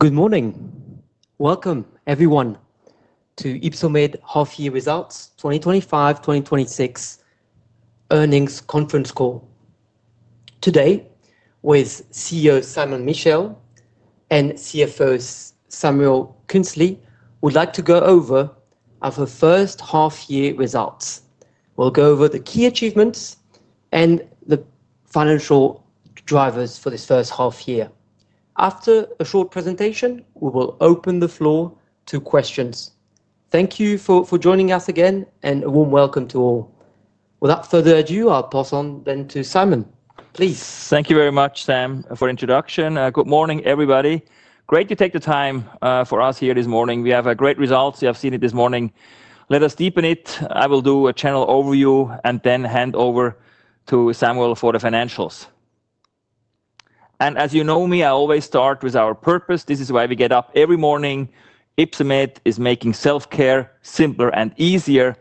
Good morning. Welcome, everyone, to Ypsomed Half-Year Results 2025-2026 Earnings Conference Call. Today, with CEO Simon Michel and CFO Samuel Künzli, we'd like to go over our first half-year results. We'll go over the key achievements and the financial drivers for this first half-year. After a short presentation, we will open the floor to questions. Thank you for joining us again, and a warm welcome to all. Without further ado, I'll pass on then to Simon. Please. Thank you very much, Sam, for the introduction. Good morning, everybody. Great to take the time for us here this morning. We have great results. You have seen it this morning. Let us deepen it. I will do a channel overview and then hand over to Samuel for the financials. As you know me, I always start with our purpose. This is why we get up every morning. Ypsomed is making self-care simpler and easier.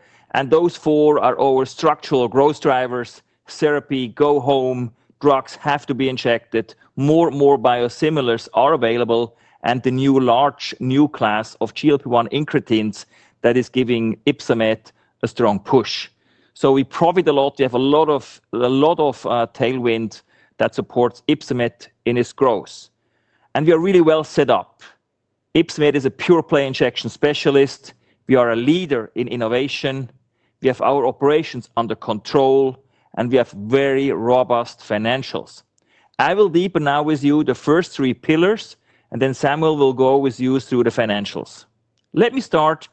Those four are our structural growth drivers: therapy, go home, drugs have to be injected, more and more biosimilars are available, and the new large new class of GLP-1 incretins that is giving Ypsomed a strong push. We profit a lot. We have a lot of tailwind that supports Ypsomed in its growth. We are really well set up. Ypsomed is a pure-play injection specialist. We are a leader in innovation. We have our operations under control, and we have very robust financials. I will deepen now with you the first three pillars, and then Samuel will go with you through the financials. Let me start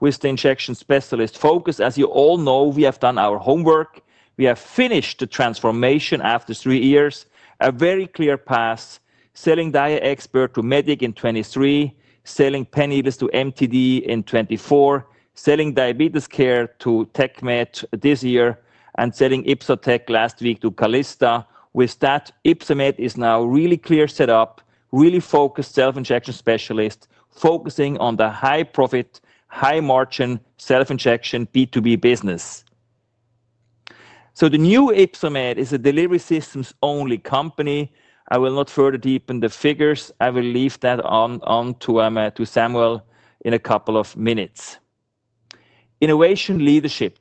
with the injection specialist focus. As you all know, we have done our homework. We have finished the transformation after three years, a very clear path, selling DiaExpert to Mediq in 2023, selling Pen Needles to MTD in 2024, selling Diabetes Care to TecMed this year, and selling Ypsotec last week to Callista. With that, Ypsomed is now a really clear setup, really focused self-injection specialist focusing on the high-profit, high-margin self-injection B2B business. The new Ypsomed is a delivery systems-only company. I will not further deepen the figures. I will leave that on to Samuel in a couple of minutes. Innovation leadership.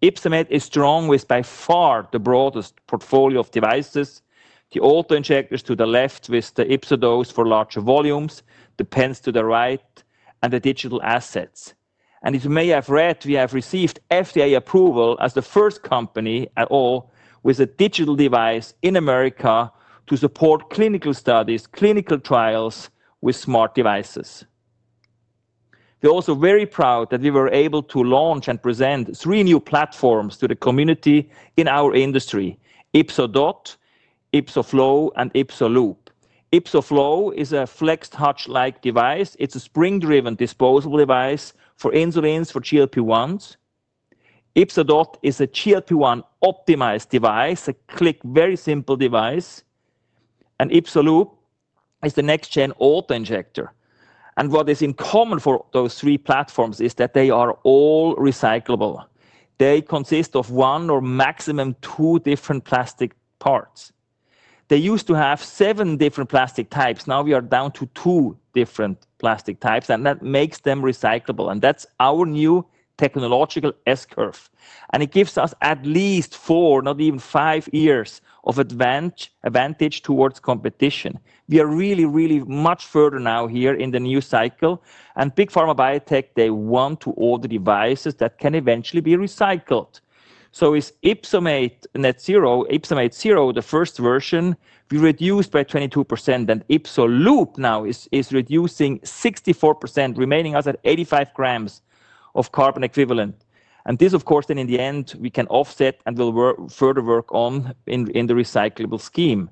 Ypsomed is strong with by far the broadest portfolio of devices, the auto-injectors to the left with the YpsoDose for larger volumes, the pens to the right, and the digital assets. As you may have read, we have received FDA approval as the first company at all with a digital device in America to support clinical studies, clinical trials with smart devices. We are also very proud that we were able to launch and present three new platforms to the community in our industry: YpsoDot, YpsoFlow, and YpsoLoop. YpsoFlow is a flexed hutch-like device. It is a spring-driven disposable device for insulins for GLP-1s. YpsoDot is a GLP-1 optimized device, a click, very simple device. YpsoLoop is the next-gen auto-injector. What is in common for those three platforms is that they are all recyclable. They consist of one or maximum two different plastic parts. They used to have seven different plastic types. Now we are down to two different plastic types, and that makes them recyclable. That is our new technological S-curve. It gives us at least four, not even five years of advantage towards competition. We are really, really much further now here in the new cycle. Big Pharma Biotech, they want to order devices that can eventually be recycled. With YpsoMate NetZero, YpsoMate Zero, the first version, we reduced by 22%. YpsoLoop now is reducing 64%, remaining us at 85 g of carbon equivalent. This, of course, in the end, we can offset and will further work on in the recyclable scheme.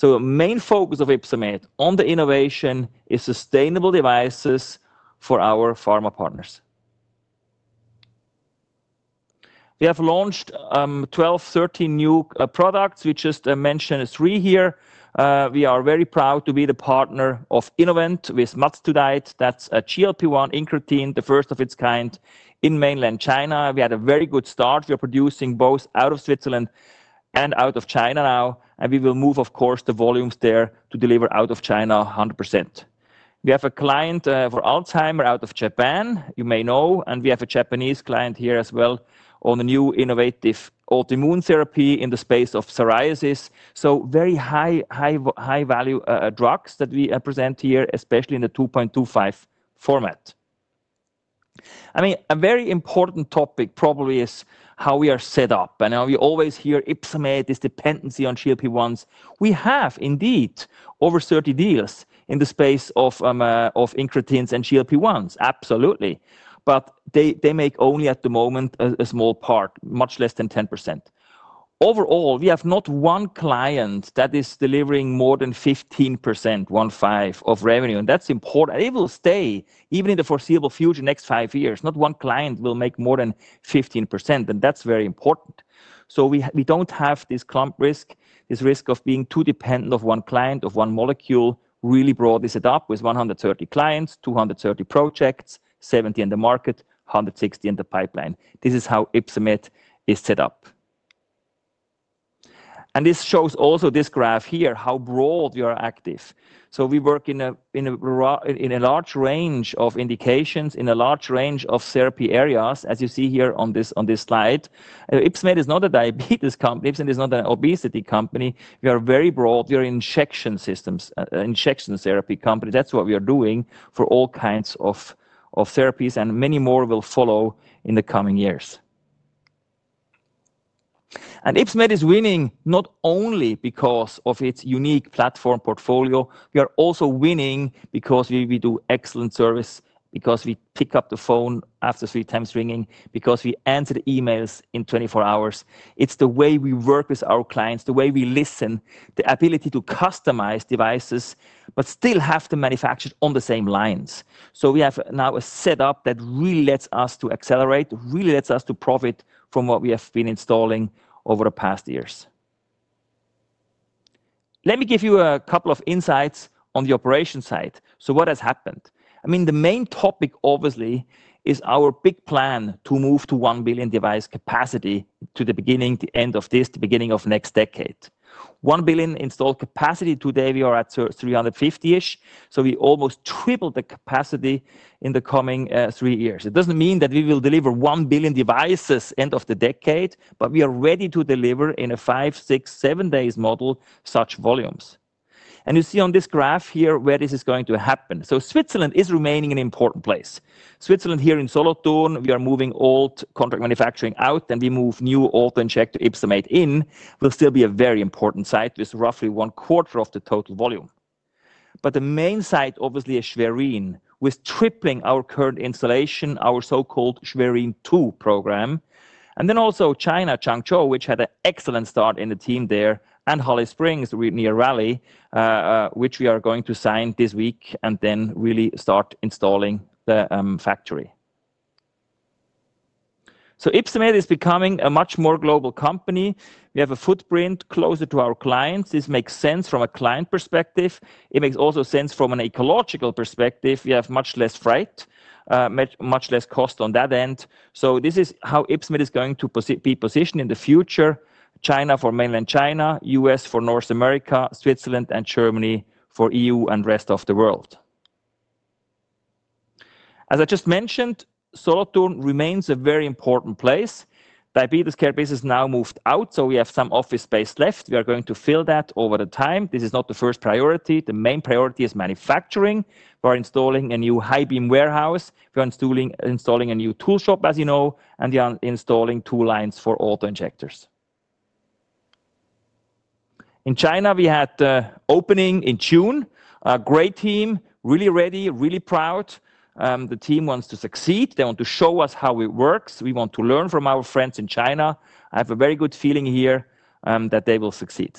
The main focus of Ypsomed on the innovation is sustainable devices for our pharma partners. We have launched 12, 13 new products. We just mentioned three here. We are very proud to be the partner of Innovent with Mazdutide. That is a GLP-1 incretin, the first of its kind in mainland China. We had a very good start. We are producing both out of Switzerland and out of China now. We will move, of course, the volumes there to deliver out of China 100%. We have a client for Alzheimer out of Japan, you may know. We have a Japanese client here as well on the new innovative autoimmune therapy in the space of psoriasis. Very high, high value drugs that we present here, especially in the 2.25 format. I mean, a very important topic probably is how we are set up. We always hear Ypsomed is dependency on GLP-1s. We have indeed over 30 deals in the space of incretins and GLP-1s. Absolutely. They make only at the moment a small part, much less than 10%. Overall, we have not one client that is delivering more than 15%, 15% of revenue. That is important. It will stay even in the foreseeable future, next five years. Not one client will make more than 15%. That is very important. We do not have this clump risk, this risk of being too dependent on one client, on one molecule, really broadly set up with 130 clients, 230 projects, 70 in the market, 160 in the pipeline. This is how Ypsomed is set up. This shows also this graph here, how broad we are active. We work in a large range of indications, in a large range of therapy areas, as you see here on this slide. Ypsomed is not a diabetes company. Ypsomed is not an obesity company. We are very broad. We are an injection systems, injection therapy company. That's what we are doing for all kinds of therapies. Many more will follow in the coming years. Ypsomed is winning not only because of its unique platform portfolio. We are also winning because we do excellent service, because we pick up the phone after 3x ringing, because we answer the emails in 24 hours. It's the way we work with our clients, the way we listen, the ability to customize devices, but still have to manufacture on the same lines. We have now a setup that really lets us accelerate, really lets us profit from what we have been installing over the past years. Let me give you a couple of insights on the operation side. What has happened? I mean, the main topic obviously is our big plan to move to 1 billion device capacity to the beginning, the end of this, the beginning of next decade. 1 billion installed capacity today, we are at 350-ish. So we almost tripled the capacity in the coming three years. It does not mean that we will deliver 1 billion devices end of the decade, but we are ready to deliver in a five, six, seven days model such volumes. You see on this graph here where this is going to happen. Switzerland is remaining an important place. Switzerland here in Solothurn, we are moving old contract manufacturing out, and we move new auto-inject to Ypsomed in. It will still be a very important site with roughly one quarter of the total volume. The main site obviously is Schwerin with tripling our current installation, our so-called Schwerin 2 program. Also, China, Changzhou, which had an excellent start in the team there, and Holly Springs, near Raleigh, which we are going to sign this week and then really start installing the factory. Ypsomed is becoming a much more global company. We have a footprint closer to our clients. This makes sense from a client perspective. It makes also sense from an ecological perspective. We have much less freight, much less cost on that end. This is how Ypsomed is going to be positioned in the future: China for mainland China, U.S. for North America, Switzerland and Germany for EU and rest of the world. As I just mentioned, Solothurn remains a very important place. Diabetes Care business now moved out, so we have some office space left. We are going to fill that over the time. This is not the first priority. The main priority is manufacturing. We're installing a new high-beam warehouse. We're installing a new tool shop, as you know, and we are installing tool lines for auto-injectors. In China, we had the opening in June. A great team, really ready, really proud. The team wants to succeed. They want to show us how it works. We want to learn from our friends in China. I have a very good feeling here that they will succeed.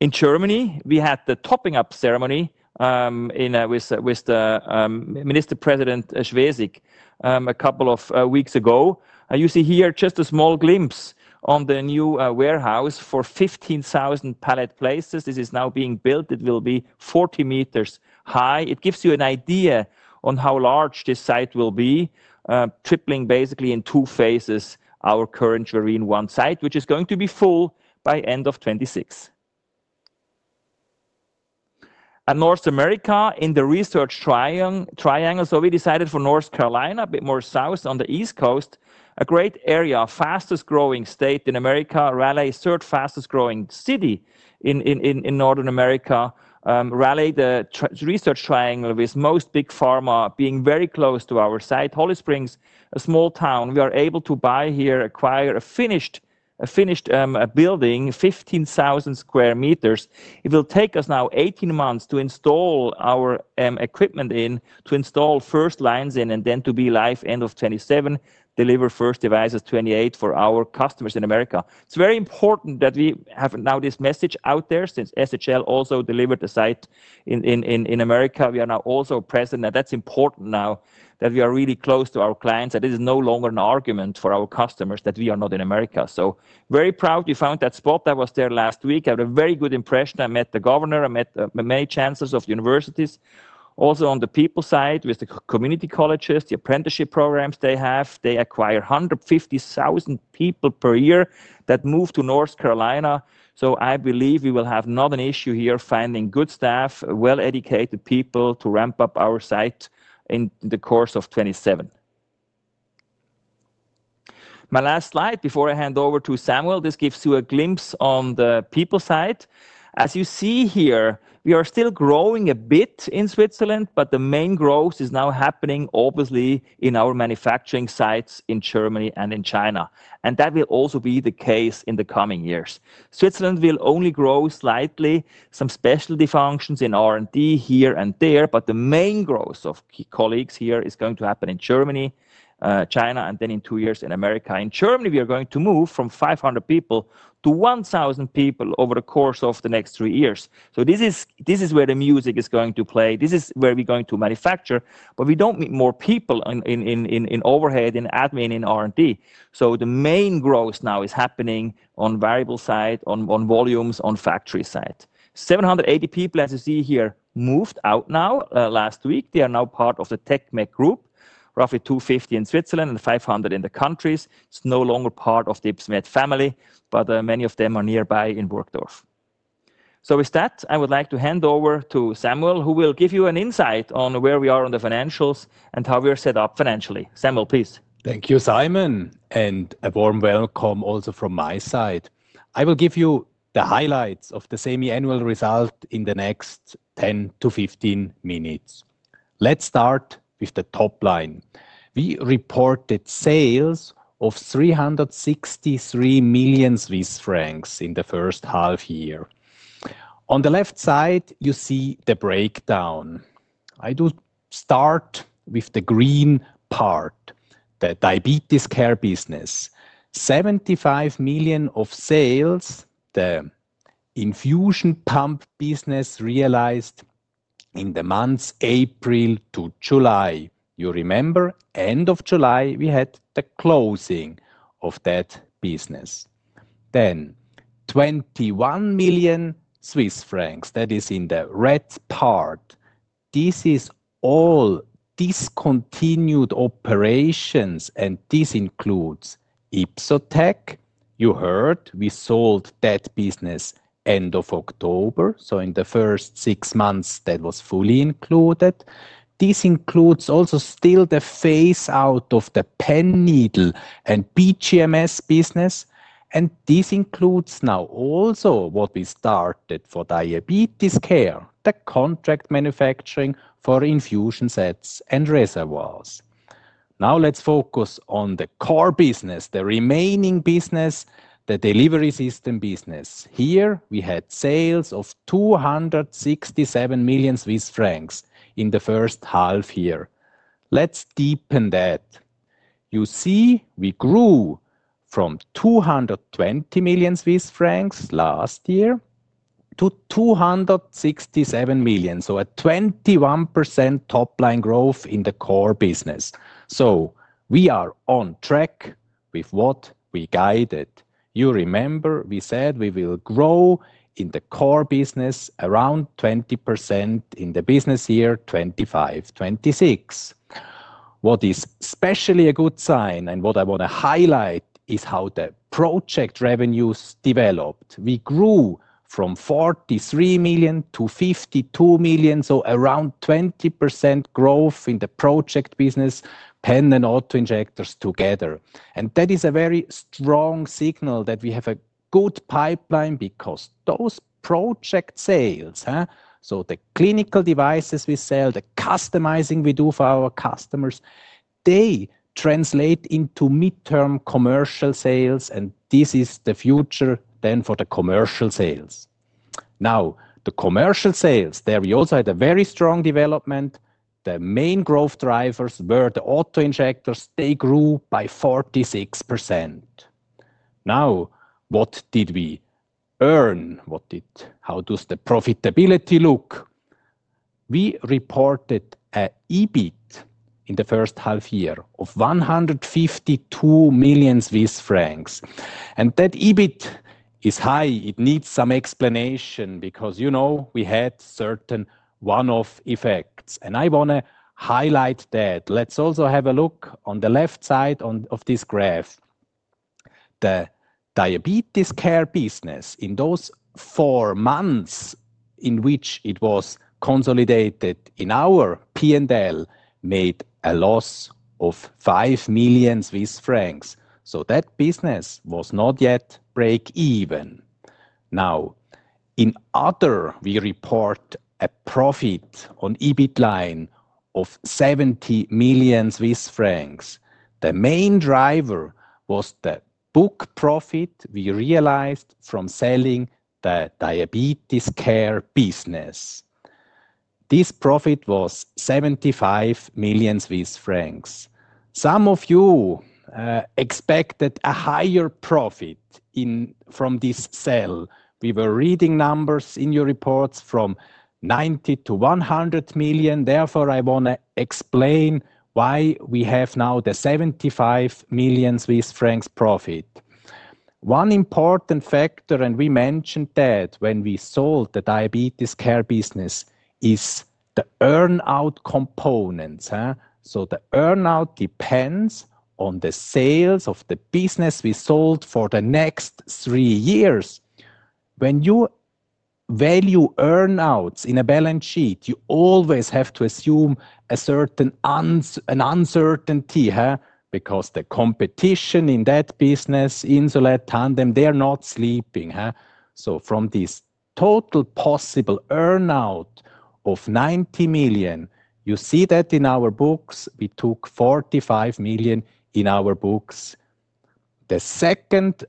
In Germany, we had the topping-out ceremony with the Minister President Schwesig a couple of weeks ago. You see here just a small glimpse on the new warehouse for 15,000 pallet places. This is now being built. It will be 40 m high. It gives you an idea on how large this site will be, tripling basically in two phases our current Schwerin 1 site, which is going to be full by end of 2026. North America in the Research Triangle. We decided for North Carolina, a bit more south on the East Coast, a great area, fastest growing state in America, Raleigh, third fastest growing city in North America. Raleigh, the Research Triangle with most Big Pharma being very close to our site. Holly Springs, a small town. We are able to buy here, acquire a finished building, 15,000 sq m. It will take us now 18 months to install our equipment in, to install first lines in, and then to be live end of 2027, deliver first devices 2028 for our customers in America. It's very important that we have now this message out there since SHL also delivered the site in America. We are now also present. That is important now that we are really close to our clients. It is no longer an argument for our customers that we are not in America. Very proud we found that spot. I was there last week. I had a very good impression. I met the Governor. I met many chancellors of universities. Also on the people side with the community colleges, the apprenticeship programs they have. They acquire 150,000 people per year that move to North Carolina. I believe we will have not an issue here finding good staff, well-educated people to ramp up our site in the course of 2027. My last slide before I hand over to Samuel. This gives you a glimpse on the people side. As you see here, we are still growing a bit in Switzerland, but the main growth is now happening obviously in our manufacturing sites in Germany and in China. That will also be the case in the coming years. Switzerland will only grow slightly, some specialty functions in R&D here and there, but the main growth of colleagues here is going to happen in Germany, China, and then in two years in America. In Germany, we are going to move from 500 people to 1,000 people over the course of the next three years. This is where the music is going to play. This is where we're going to manufacture. We don't need more people in overhead, in admin, in R&D. The main growth now is happening on variable side, on volumes, on factory side. 780 people, as you see here, moved out now last week. They are now part of the TecMed group, roughly 250 in Switzerland and 500 in the countries. It's no longer part of the Ypsomed family, but many of them are nearby in Wonkdorf. With that, I would like to hand over to Samuel, who will give you an insight on where we are on the financials and how we are set up financially. Samuel, please. Thank you, Simon. A warm welcome also from my side. I will give you the highlights of the semi-annual result in the next 10-15 minutes. Let's start with the top line. We reported sales of 363 million Swiss francs in the first half year. On the left side, you see the breakdown. I do start with the green part, the Diabetes Care business. 75 million of sales, the Infusion Pump business realized in the months April to July. You remember, end of July, we had the closing of that business. Then 21 million Swiss francs, that is in the red part. This is all discontinued operations, and this includes Ypsotech. You heard, we sold that business end of October. In the first six months, that was fully included. This includes also still the phase out of the Pen Needle and PGMS business. This includes now also what we started for Diabetes Care, the contract manufacturing for infusion sets and reservoirs. Now let's focus on the Core business, the remaining business, the Delivery System business. Here we had sales of 267 million Swiss francs in the first half year. Let's deepen that. You see, we grew from 220 million Swiss francs last year to 267 million. A 21% top line growth in the Core business. We are on track with what we guided. You remember we said we will grow in the Core business around 20% in the business year 2025-2026. What is especially a good sign and what I want to highlight is how the project revenues developed. We grew from 43 million to 52 million, so around 20% growth in the project business, pen and auto-injectors together. That is a very strong signal that we have a good pipeline because those project sales, so the clinical devices we sell, the customizing we do for our customers, they translate into midterm commercial sales. This is the future then for the commercial sales. Now, the commercial sales, there we also had a very strong development. The main growth drivers were the auto-injectors. They grew by 46%. Now, what did we earn? How does the profitability look? We reported an EBIT in the first half year of 152 million Swiss francs. That EBIT is high. It needs some explanation because, you know, we had certain one-off effects. I want to highlight that. Let's also have a look on the left side of this graph. The Diabetes Care business in those four months in which it was consolidated in our P&L made a loss of 5 million Swiss francs. That business was not yet break even. Now, in other, we report a profit on EBIT line of 70 million Swiss francs. The main driver was the book profit we realized from selling the Diabetes Care business. This profit was 75 million Swiss francs. Some of you expected a higher profit from this sale. We were reading numbers in your reports from 90 million-100 million. Therefore, I want to explain why we have now the 75 million Swiss francs profit. One important factor, and we mentioned that when we sold the Diabetes Care business, is the earnout components. The earnout depends on the sales of the business we sold for the next three years. When you value earnouts in a balance sheet, you always have to assume a certain uncertainty because the competition in that business, Insulet, Tandem, they're not sleeping. From this total possible earnout of 90 million, you see that in our books. We took 45 million in our books. The second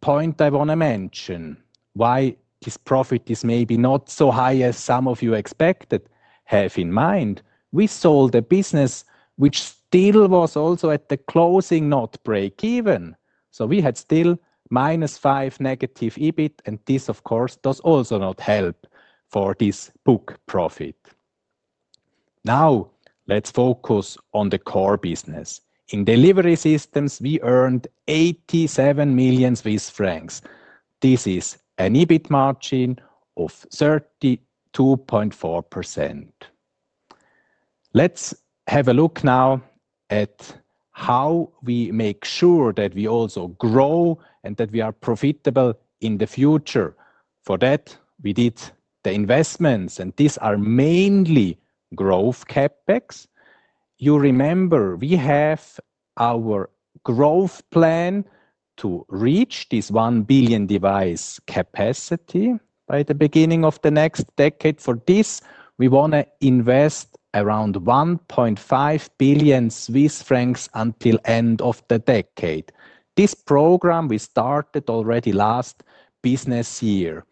point I want to mention, why this profit is maybe not so high as some of you expected, have in mind, we sold a business which still was also at the closing, not break even. We had still -5 negative EBIT. This, of course, does also not help for this book profit. Now, let's focus on the Core business. In Delivery Systems, we earned 87 million Swiss francs. This is an EBIT margin of 32.4%. Let's have a look now at how we make sure that we also grow and that we are profitable in the future. For that, we did the investments. These are mainly growth CapEx. You remember we have our growth plan to reach this 1 billion device capacity by the beginning of the next decade. For this, we want to invest around 1.5 billion Swiss francs until end of the decade. This program we started already last business year.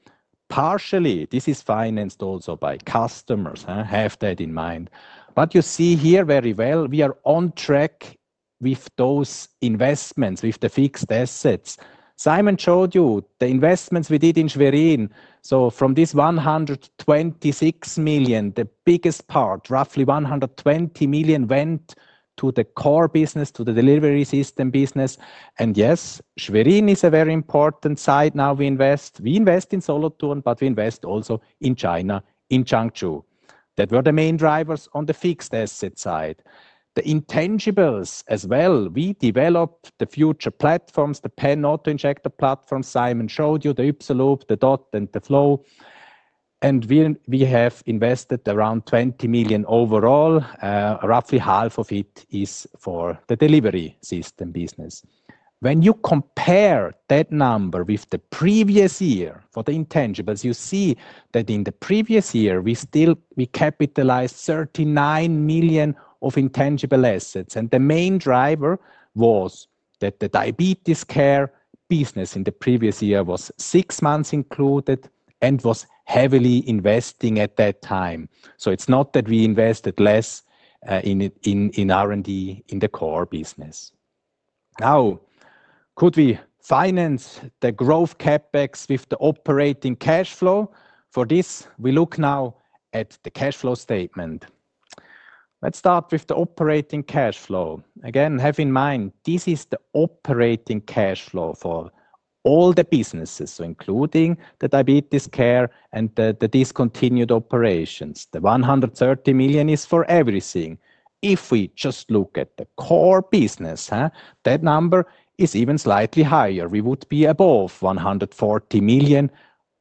Partially, this is financed also by customers. Have that in mind. You see here very well, we are on track with those investments, with the fixed assets. Simon showed you the investments we did in Schwerin. From this 126 million, the biggest part, roughly 120 million, went to the Core business, to the Delivery System business. Yes, Schwerin is a very important site now we invest. We invest in Solothurn, but we invest also in China in Changzhou. That were the main drivers on the fixed asset side. The intangibles as well. We developed the future platforms, the pen auto-injector platforms. Simon showed you the Ypsomed, the dot and the flow. We have invested around 20 million overall. Roughly half of it is for the Delivery System business. When you compare that number with the previous year for the intangibles, you see that in the previous year, we still, we capitalized 39 million of intangible assets. The main driver was that the Diabetes Care business in the previous year was six months included and was heavily investing at that time. It is not that we invested less in R&D in the Core business. Now, could we finance the growth CapEx with the operating cash flow? For this, we look now at the cash flow statement. Let's start with the operating cash flow. Again, have in mind, this is the operating cash flow for all the businesses, including the Diabetes Care and the discontinued operations. The 130 million is for everything. If we just look at the Core business, that number is even slightly higher. We would be above 140 million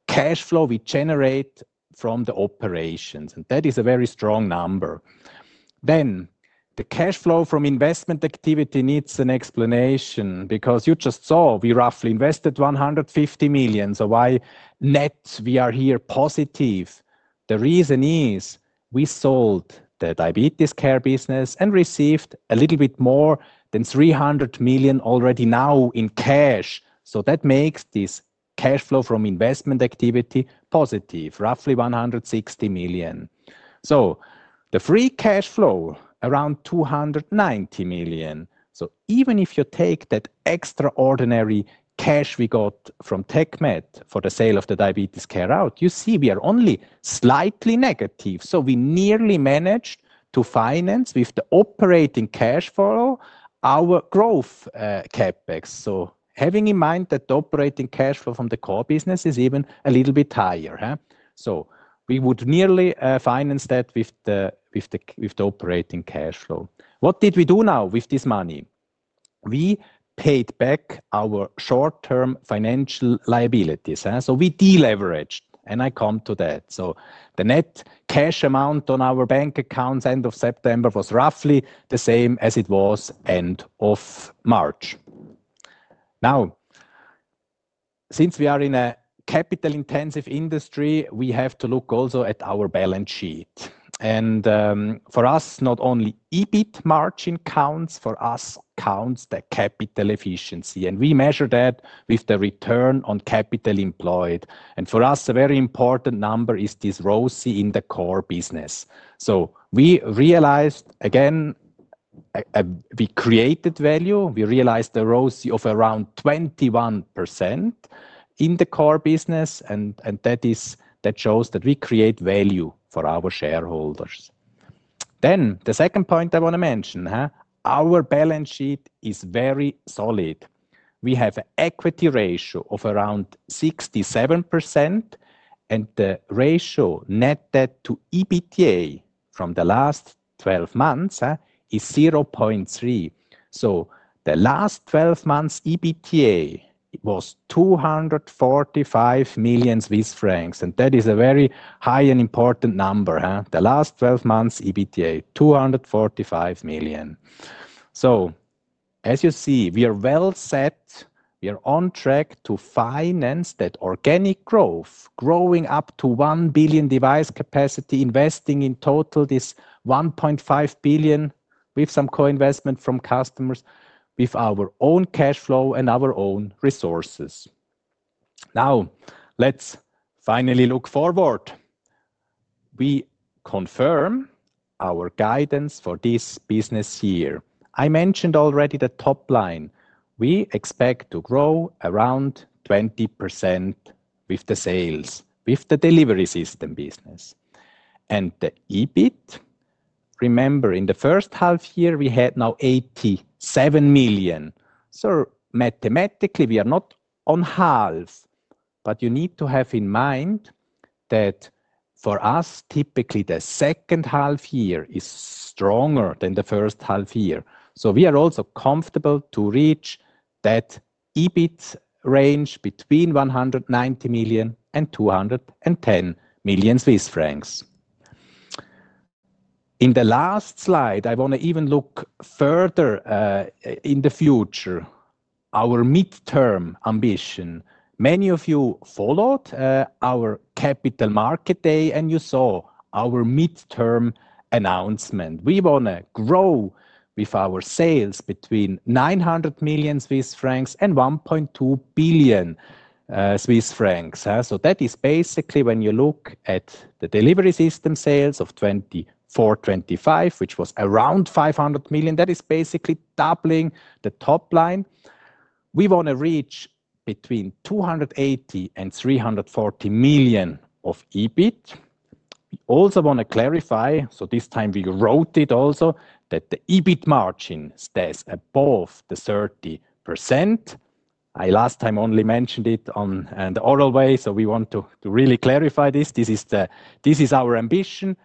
cash flow we generate from the operations. That is a very strong number. The cash flow from investment activity needs an explanation because you just saw we roughly invested 150 million. Why net we are here positive? The reason is we sold the Diabetes Care business and received a little bit more than 300 million already now in cash. That makes this cash flow from investment activity positive, roughly 160 million. The free cash flow around 290 million. Even if you take that extraordinary cash we got from TecMed for the sale of the Diabetes Care out, you see we are only slightly negative. We nearly managed to finance with the operating cash flow our growth CapEx. Having in mind that the operating cash flow from the Core business is even a little bit higher. We would nearly finance that with the operating cash flow. What did we do now with this money? We paid back our short-term financial liabilities. We deleveraged. I come to that. The net cash amount on our bank accounts end of September was roughly the same as it was end of March. Now, since we are in a capital-intensive industry, we have to look also at our balance sheet. For us, not only EBIT margin counts, for us counts the capital efficiency. We measure that with the return on capital employed. For us, a very important number is this ROCE in the Core business. We realized, again, we created value. We realized a ROCE of around 21% in the Core business. That shows that we create value for our shareholders. The second point I want to mention, our balance sheet is very solid. We have an equity ratio of around 67%. The ratio net debt to EBITDA from the last 12 months is 0.3. The last 12 months EBITDA was 245 million Swiss francs. That is a very high and important number. The last 12 months EBITDA, 245 million. As you see, we are well set. We are on track to finance that organic growth, growing up to 1 billion device capacity, investing in total this 1.5 billion with some co-investment from customers, with our own cash flow and our own resources. Now, let's finally look forward. We confirm our guidance for this business year. I mentioned already the top line. We expect to grow around 20% with the sales, with the Delivery System business. The EBIT, remember, in the first half year, we had now 87 million. Mathematically, we are not on half. You need to have in mind that for us, typically, the second half year is stronger than the first half year. We are also comfortable to reach that EBIT range between 190 million and 210 million Swiss francs. In the last slide, I want to even look further in the future, our midterm ambition. Many of you followed our Capital Market Day, and you saw our midterm announcement. We want to grow with our sales between 900 million Swiss francs and 1.2 billion Swiss francs. That is basically when you look at the Delivery System sales of 2024, 2025, which was around 500 million. That is basically doubling the top line. We want to reach between 280 million and 340 million of EBIT. We also want to clarify, so this time we wrote it also, that the EBIT margin stays above the 30%. I last time only mentioned it on the other way. We want to really clarify this. This is our ambition.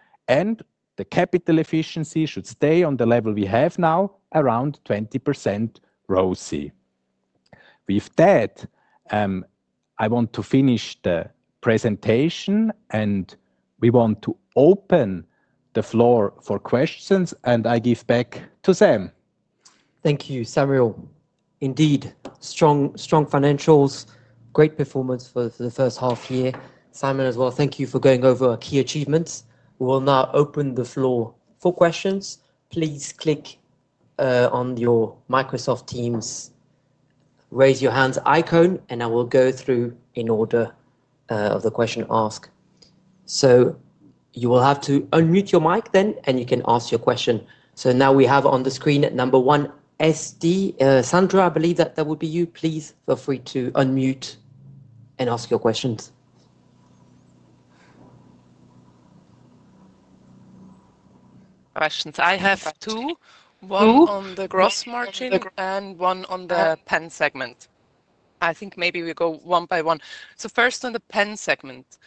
The capital efficiency should stay on the level we have now, around 20% ROCE. With that, I want to finish the presentation. We want to open the floor for questions. I give back to Sam. Thank you, Samuel. Indeed, strong financials, great performance for the first half year. Simon, as well, thank you for going over our key achievements. We will now open the floor for questions. Please click on your Microsoft Teams raise your hands icon. I will go through in order of the question asked. You will have to unmute your mic then, and you can ask your question. Now we have on the screen number one, Sandra, I believe that that would be you. Please feel free to unmute and ask your questions. I have two. One on the gross margin and one on the Pen segment. I think maybe we go one by one. First on the Pen segment,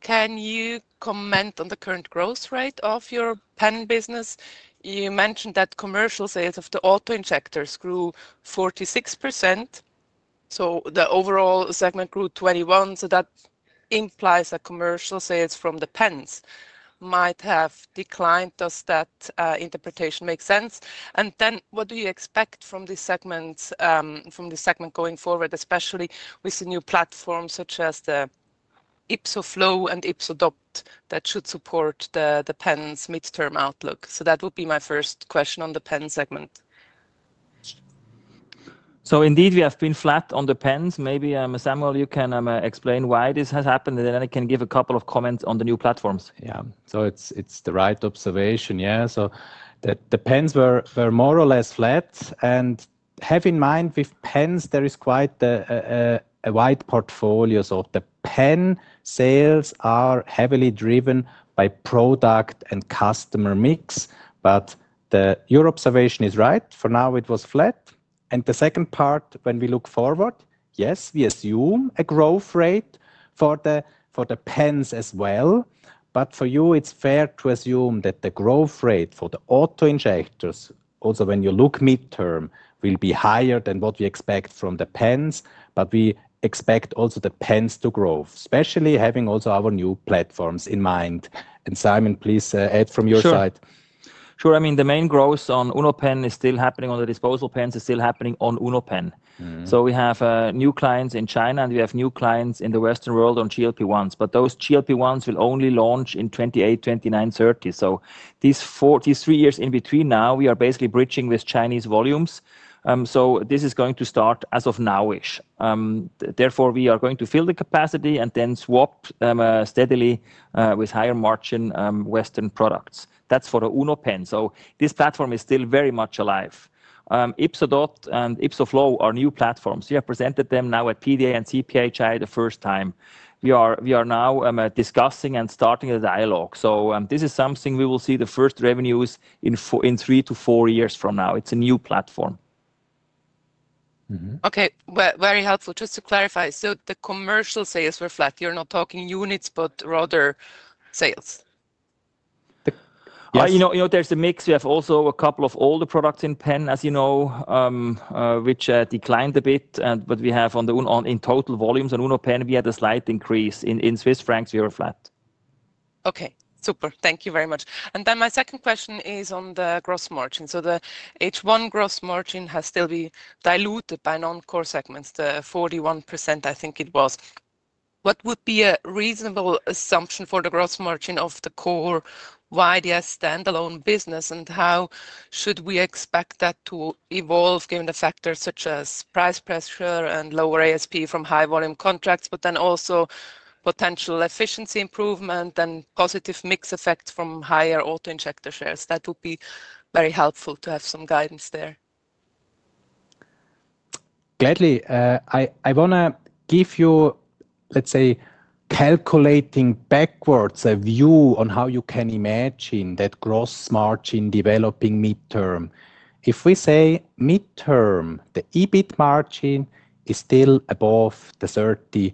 can you comment on the current growth rate of your Pen business? You mentioned that commercial sales of the auto-injectors grew 46%. The overall segment grew 21%. That implies that commercial sales from the Pens might have declined. Does that interpretation make sense? What do you expect from this segment going forward, especially with the new platforms such as the YpsoFlow and YpsoDot that should support the pens midterm outlook? That would be my first question on the Pen segment. Indeed, we have been flat on the Pens. Maybe Samuel, you can explain why this has happened. Then I can give a couple of comments on the new platforms. Yeah, it is the right observation. Yeah, the Pens were more or less flat. Have in mind with Pens, there is quite a wide portfolio. The Pen sales are heavily driven by product and customer mix. Your observation is right. For now, it was flat. The second part, when we look forward, yes, we assume a growth rate for the Pens as well. For you, it is fair to assume that the growth rate for the auto-injectors, also when you look midterm, will be higher than what we expect from the Pens. We expect also the Pens to grow, especially having also our new platforms in mind. Simon, please add from your side. Sure. I mean, the main growth on UnoPen is still happening on the disposable Pens, is still happening on UnoPen. We have new clients in China, and we have new clients in the Western world on GLP-1s. Those GLP-1s will only launch in 2028, 2029, 2030. These three years in between now, we are basically bridging with Chinese volumes. This is going to start as of now-ish. Therefore, we are going to fill the capacity and then swap steadily with higher margin Western products. That is for the UnoPen. This platform is still very much alive. YpsoDot and YpsoFlow are new platforms. We have presented them now at PDA and CPHI the first time. We are now discussing and starting a dialogue. This is something we will see the first revenues in three to four years from now. It is a new platform. Okay, very helpful. Just to clarify, the commercial sales were flat. You are not talking units, but rather sales? There is a mix. We have also a couple of older products in Pen, as you know, which declined a bit. But we have on the in total volumes on UnoPen, we had a slight increase. In Swiss francs, we were flat. Okay, super. Thank you very much. My second question is on the gross margin. The H1 gross margin has still been diluted by non-core segments, the 41%, I think it was. What would be a reasonable assumption for the gross margin of the Core YDS standalone business? How should we expect that to evolve given the factors such as price pressure and lower ASP from high volume contracts, but then also potential efficiency improvement and positive mix effect from higher auto injector shares? That would be very helpful to have some guidance there. Gladly, I want to give you, let's say, calculating backwards a view on how you can imagine that gross margin developing midterm. If we say midterm, the EBIT margin is still above the 30%.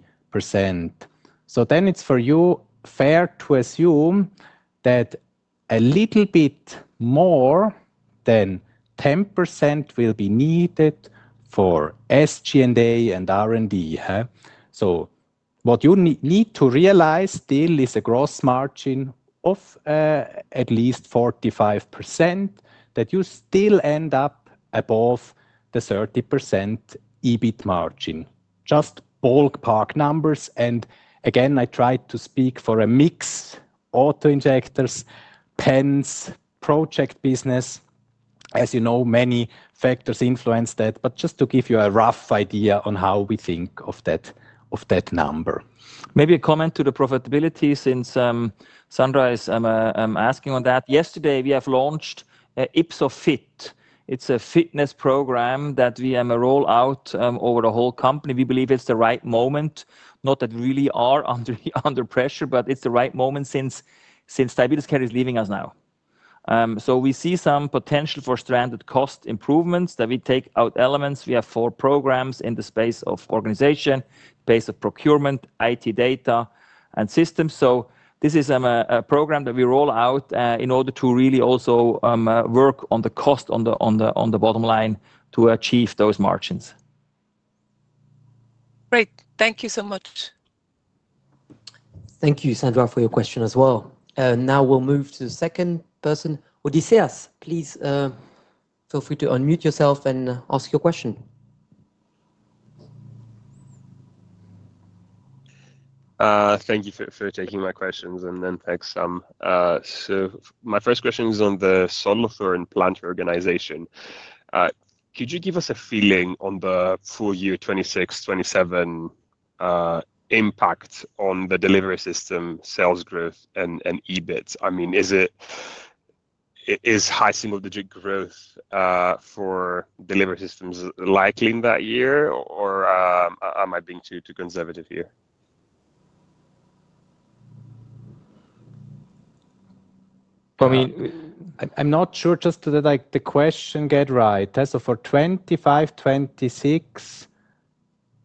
It is for you fair to assume that a little bit more than 10% will be needed for SG&A and R&D. What you need to realize still is a gross margin of at least 45% that you still end up above the 30% EBIT margin. Just ballpark numbers. I tried to speak for a mix of auto-injectors, Pens, project business. As you know, many factors influence that. Just to give you a rough idea on how we think of that number. Maybe a comment to the profitability since Sandra is asking on that. Yesterday, we have launched YpsoFit. It's a fitness program that we have rolled out over the whole company. We believe it's the right moment. Not that we really are under pressure, but it's the right moment since Diabetes Care is leaving us now. We see some potential for stranded cost improvements that we take out elements. We have four programs in the space of organization, space of procurement, IT data, and systems. This is a program that we roll out in order to really also work on the cost on the bottom line to achieve those margins. Great. Thank you so much. Thank you, Sandra, for your question as well. Now we'll move to the second person. Odysseus, please feel free to unmute yourself and ask your question. Thank you for taking my questions. And thanks. My first question is on the Solothurn plant organization. Could you give us a feeling on the full year 2026, 2027 impact on the Delivery System sales growth and EBIT? I mean, is high single-digit growth for Delivery Systems likely in that year? Or am I being too conservative here? I mean, I'm not sure just to the question get right. For 2025, 2026,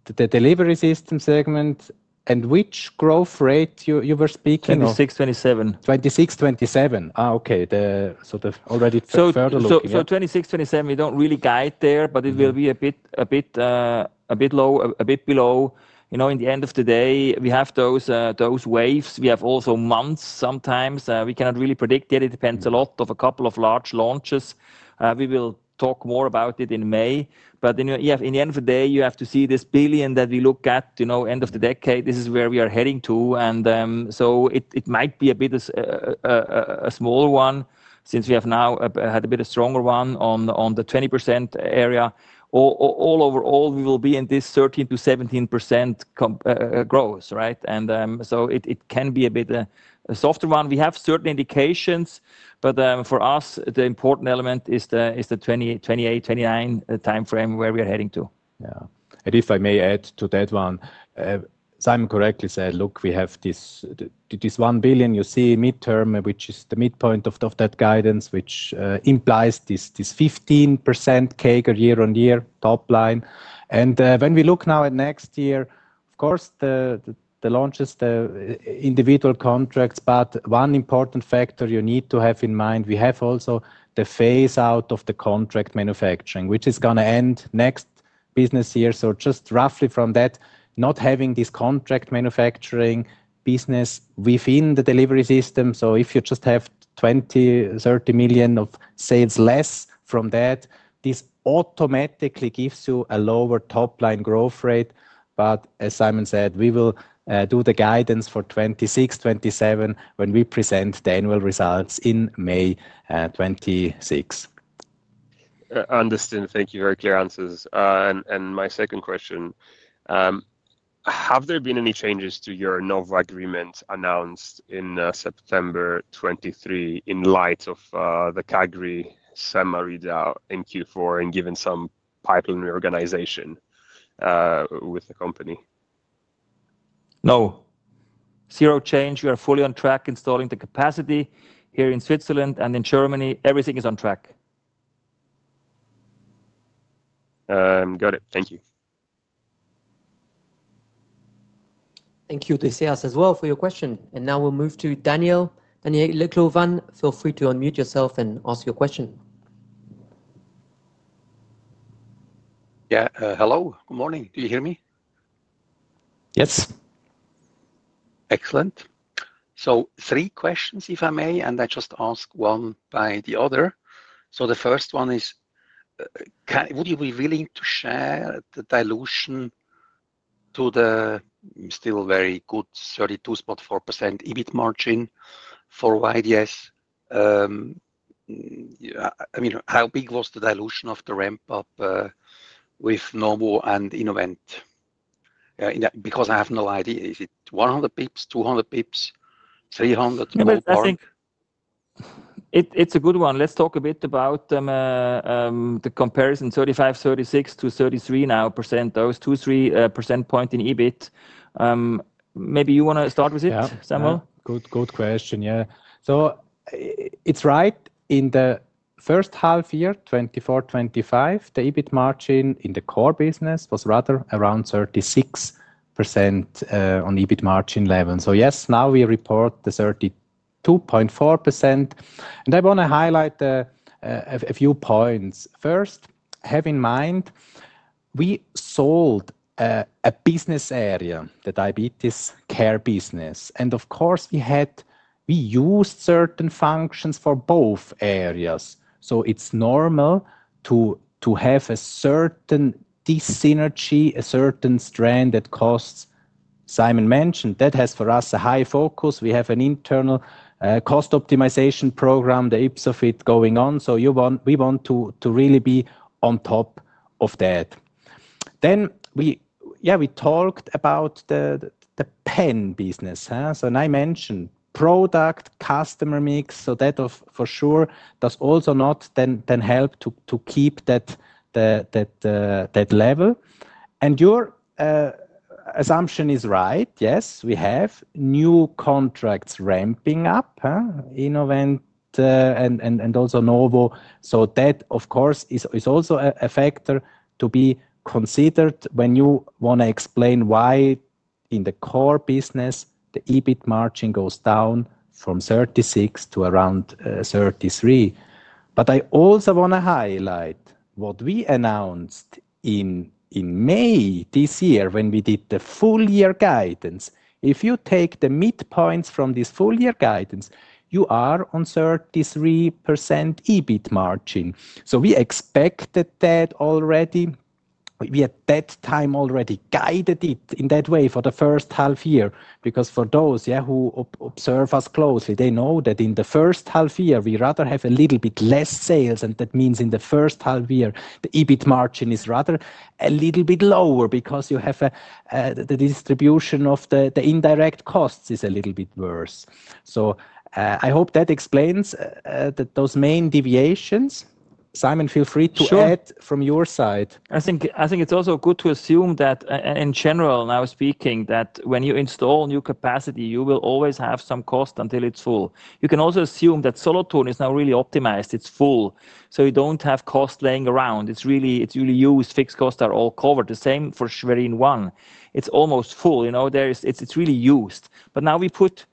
the Delivery System segment, and which growth rate you were speaking of? 2026, 2027. 2026, 2027. Okay. So already further looking at. 2026, 2027, we do not really guide there, but it will be a bit low, a bit below. In the end of the day, we have those waves. We have also months sometimes. We cannot really predict yet. It depends a lot on a couple of large launches. We will talk more about it in May. In the end of the day, you have to see this billion that we look at, end of the decade. This is where we are heading to. It might be a bit of a small one since we have now had a bit of a stronger one on the 20% area. Overall, we will be in this 13%-17% growth, right? It can be a bit a softer one. We have certain indications, but for us, the important element is the 2028, 2029 timeframe where we are heading to. Yeah. If I may add to that one, Simon correctly said, look, we have this one billion you see midterm, which is the midpoint of that guidance, which implies this 15% CAGR year-on-year top line. When we look now at next year, of course, the launches, the individual contracts. One important factor you need to have in mind, we have also the phase out of the contract manufacturing, which is going to end next business year. Just roughly from that, not having this contract manufacturing business within the delivery system. If you just have 20 million-30 million of sales less from that, this automatically gives you a lower top line growth rate. As Simon said, we will do the guidance for 2026-2027 when we present the annual results in May 2026. Understood. Thank you for your clear answers. My second question, have there been any changes to your Novo agreement announced in September 2023 in light of the CagriSema readout, NQ4, and given some pipeline reorganization with the company? No. Zero change. We are fully on track installing the capacity here in Switzerland and in Germany. Everything is on track. Got it. Thank you. Thank you, Odysseus, as well for your question. Now we'll move to Daniel. Daniel Le Clouvin, feel free to unmute yourself and ask your question. Yeah. Hello. Good morning. Do you hear me? Yes. Excellent. Three questions, if I may, and I just ask one by the other. The first one is, would you be willing to share the dilution to the still very good 32.4% EBIT margin for YDS? I mean, how big was the dilution of the ramp-up with Novo and Innovent? Because I have no idea. Is it 100 bps, 200 bps, 300? I think it's a good one. Let's talk a bit about the comparison, 35, 36 to 33 now percent, those two three percentage point in EBIT. Maybe you want to start with it, Samuel? Good question. Yeah. It is right in the first half year, 2024-2025, the EBIT margin in the core business was rather around 36% on EBIT margin level. Yes, now we report the 32.4%. I want to highlight a few points. First, have in mind we sold a business area, the Diabetes Care business. Of course, we used certain functions for both areas. It is normal to have a certain dyssynergy, a certain strand that costs, Simon mentioned, that has for us a high focus. We have an internal cost optimization program, the YpsoFit going on. We want to really be on top of that. We talked about the Pen business. I mentioned product customer mix. That for sure does also not then help to keep that level. Your assumption is right. Yes, we have new contracts ramping up, Innovent and also Novo. That, of course, is also a factor to be considered when you want to explain why in the Core business, the EBIT margin goes down from 36% to around 33%. I also want to highlight what we announced in May this year when we did the full year guidance. If you take the midpoints from this full year guidance, you are on 33% EBIT margin. We expected that already. We at that time already guided it in that way for the first half year. Because for those who observe us closely, they know that in the first half year, we rather have a little bit less sales. That means in the first half year, the EBIT margin is rather a little bit lower because you have the distribution of the indirect costs is a little bit worse. I hope that explains those main deviations. Simon, feel free to add from your side. I think it's also good to assume that in general, now speaking, that when you install new capacity, you will always have some cost until it's full. You can also assume that Solothurn is now really optimized. It's full. So you don't have cost laying around. It's really used. Fixed costs are all covered. The same for Schwerin 1. It's almost full. It's really used. Now we put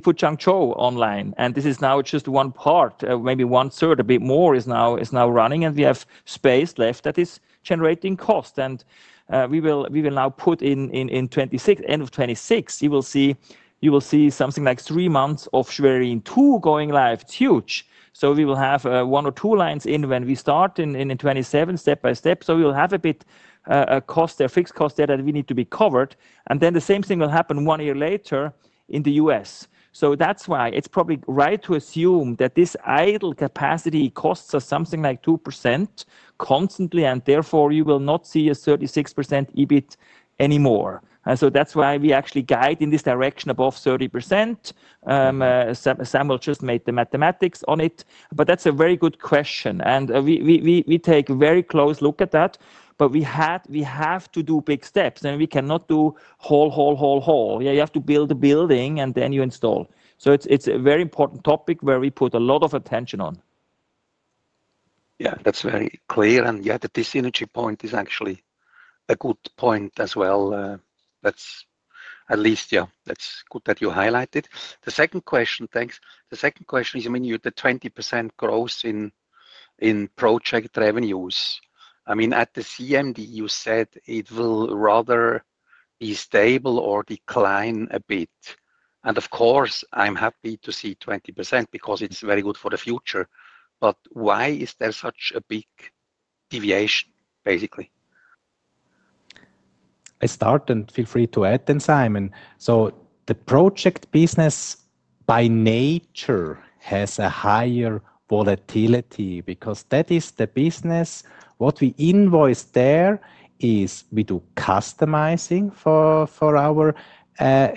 Changzhou online. This is now just one part, maybe 1/3, a bit more is now running. We have space left that is generating cost. We will now put in end of 2026, you will see something like three months of Schwerin 2 going live. It's huge. We will have one or two lines in when we start in 2027, step by step. We will have a bit of fixed cost there that we need to be covered. The same thing will happen one year later in the U.S. That is why it is probably right to assume that this idle capacity costs us something like 2% constantly. Therefore, you will not see a 36% EBIT anymore. That is why we actually guide in this direction above 30%. Samuel just made the mathematics on it. That is a very good question. We take a very close look at that. We have to do big steps. We cannot do whole, whole, whole, whole. You have to build a building and then you install. It is a very important topic where we put a lot of attention on. Yeah, that is very clear. The dyssynergy point is actually a good point as well. At least, yeah, that's good that you highlighted. The second question, thanks. The second question is, I mean, the 20% growth in Project revenues. I mean, at the CMD, you said it will rather be stable or decline a bit. Of course, I'm happy to see 20% because it's very good for the future. Why is there such a big deviation, basically? I start and feel free to add then, Simon. The Project business by nature has a higher volatility because that is the business. What we invoice there is we do customizing for our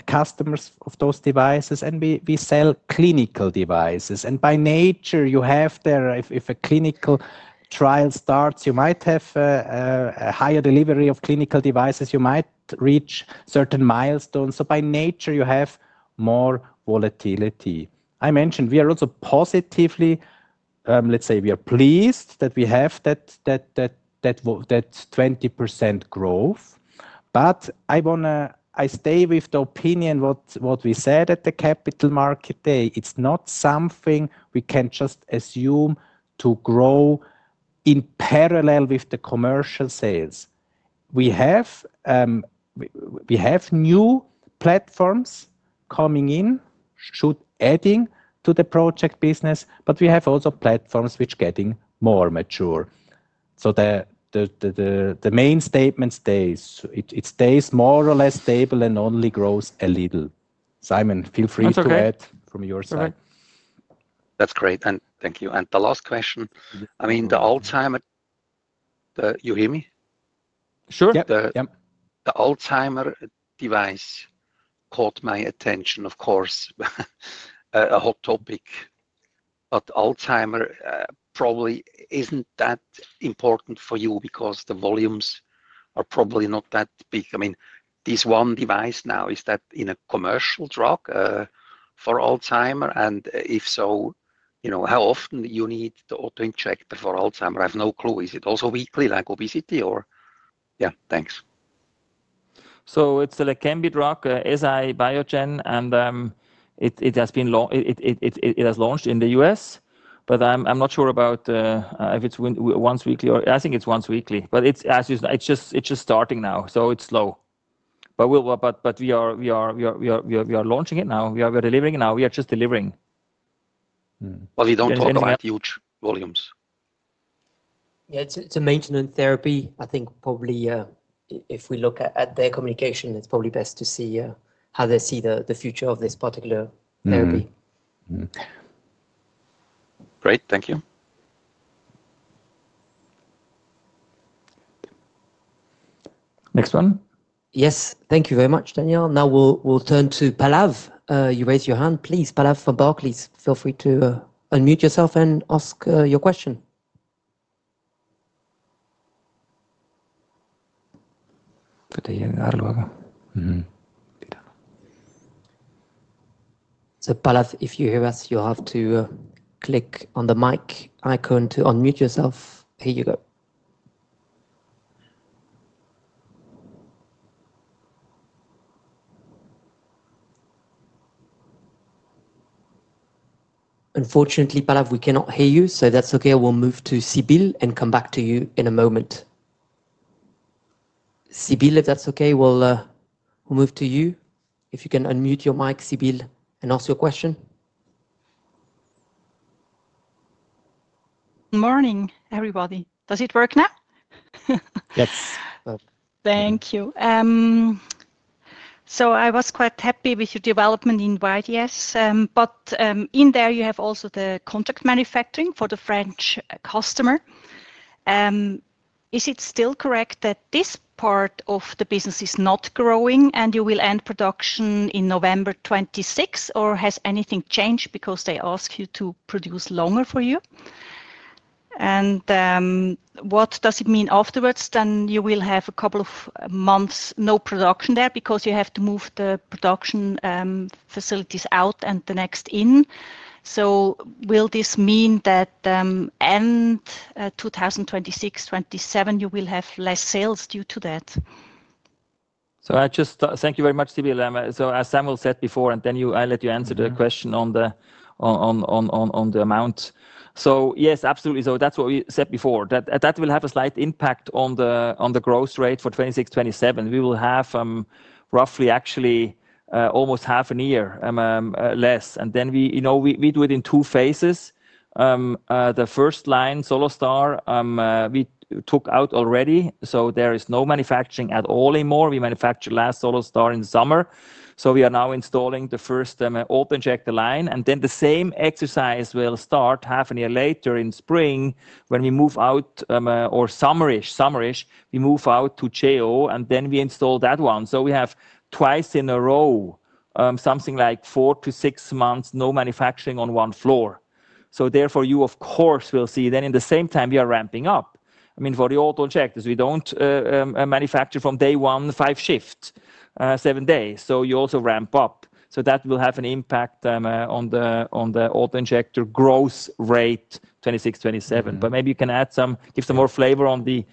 customers of those devices. We sell clinical devices. By nature, you have there, if a clinical trial starts, you might have a higher delivery of clinical devices. You might reach certain milestones. By nature, you have more volatility. I mentioned we are also positively, let's say we are pleased that we have that 20% growth. But I stay with the opinion what we said at the Capital Market Day. It's not something we can just assume to grow in parallel with the commercial sales. We have new platforms coming in, should adding to the Project business. But we have also platforms which are getting more mature. So the main statement stays. It stays more or less stable and only grows a little. Simon, feel free to add from your side. That's great. And thank you. The last question. I mean, the Alzheimer, you hear me? Sure. The Alzheimer device caught my attention, of course. A hot topic. But Alzheimer probably isn't that important for you because the volumes are probably not that big. I mean, this one device now, is that in a commercial drug for Alzheimer? If so, how often do you need the autoinjector for Alzheimer? I have no clue. Is it also weekly, like obesity, or? Yeah, thanks. It is LEQEMBI, right, by Biogen. It has been launched in the U.S., but I am not sure about if it is once weekly or I think it is once weekly. As you know, it is just starting now, so it is slow. We are launching it now. We are delivering it now. We are just delivering. You do not talk about huge volumes. It is a maintenance therapy. I think probably if we look at their communication, it is probably best to see how they see the future of this particular therapy. Great. Thank you. Next one. Yes. Thank you very much, Daniel. Now we will turn to Palav. You raised your hand, please. Palav from Berkeley, feel free to unmute yourself and ask your question. Palav, if you hear us, you'll have to click on the mic icon to unmute yourself. Here you go. Unfortunately, Palav, we cannot hear you. If that's okay, we'll move to Sybil and come back to you in a moment. Sybil, if that's okay, we'll move to you. If you can unmute your mic, Sybil, and ask your question. Morning, everybody. Does it work now? Yes. Thank you. I was quite happy with your development in YDS. In there, you have also the contract manufacturing for the French customer. Is it still correct that this part of the business is not growing and you will end production in November 2026? Or has anything changed because they ask you to produce longer for you? What does it mean afterwards? You will have a couple of months no production there because you have to move the production facilities out and the next in. Will this mean that end 2026, 2027, you will have less sales due to that? Thank you very much, Sybil. As Samuel said before, and then I'll let you answer the question on the amount. Yes, absolutely. That is what we said before. That will have a slight impact on the growth rate for 2026, 2027. We will have roughly actually almost half a year less. We do it in two phases. The first line, SoloStar, we took out already. There is no manufacturing at all anymore. We manufactured last SoloStar in the summer. We are now installing the first autoinjector line. Then the same exercise will start half a year later in spring when we move out, or summerish, summerish, we move out to Cheo. Then we install that one. We have twice in a row, something like 4-6 months, no manufacturing on one floor. Therefore, you, of course, will see then in the same time we are ramping up. I mean, for the autoinjectors, we do not manufacture from day one, five shifts, seven days. You also ramp up. That will have an impact on the autoinjector growth rate, 2026, 2027. Maybe you can add some, give some more flavor on the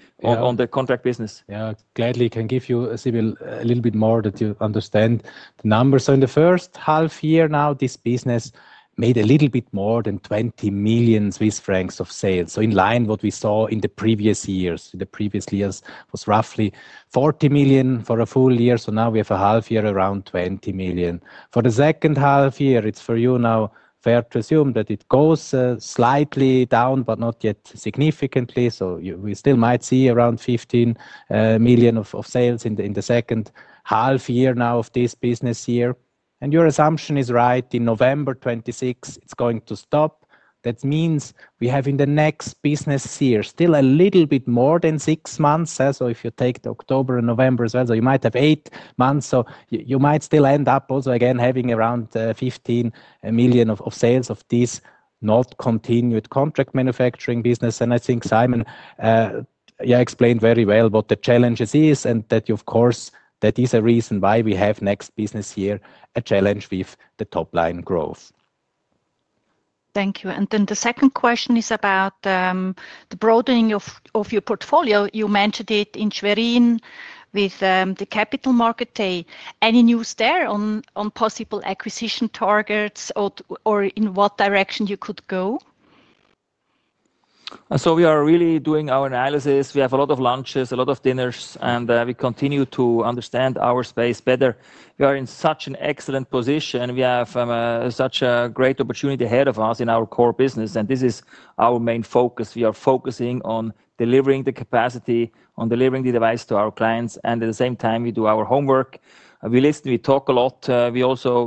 contract business. Yeah, gladly can give you, Sybil, a little bit more that you understand the numbers. In the first half year now, this business made a little bit more than 20 million Swiss francs of sales. In line with what we saw in the previous years, in the previous years it was roughly 40 million for a full year. Now we have a half year, around 20 million. For the second half year, it is for you now fair to assume that it goes slightly down, but not yet significantly. We still might see around 15 million of sales in the second half year now of this business year. Your assumption is right. In November 2026, it is going to stop. That means we have in the next business year still a little bit more than six months. If you take October and November as well, you might have eight months. You might still end up also again having around 15 million of sales of this not continued Contract Manufacturing business. I think Simon explained very well what the challenges is. That is a reason why we have next business year a challenge with the top line growth. Thank you. The second question is about the broadening of your portfolio. You mentioned it in Schwerin with the Capital Market Day. Any news there on possible acquisition targets or in what direction you could go? We are really doing our analysis. We have a lot of lunches, a lot of dinners. We continue to understand our space better. We are in such an excellent position. We have such a great opportunity ahead of us in our Core business. This is our main focus. We are focusing on delivering the capacity, on delivering the device to our clients. At the same time, we do our homework. We listen, we talk a lot. We also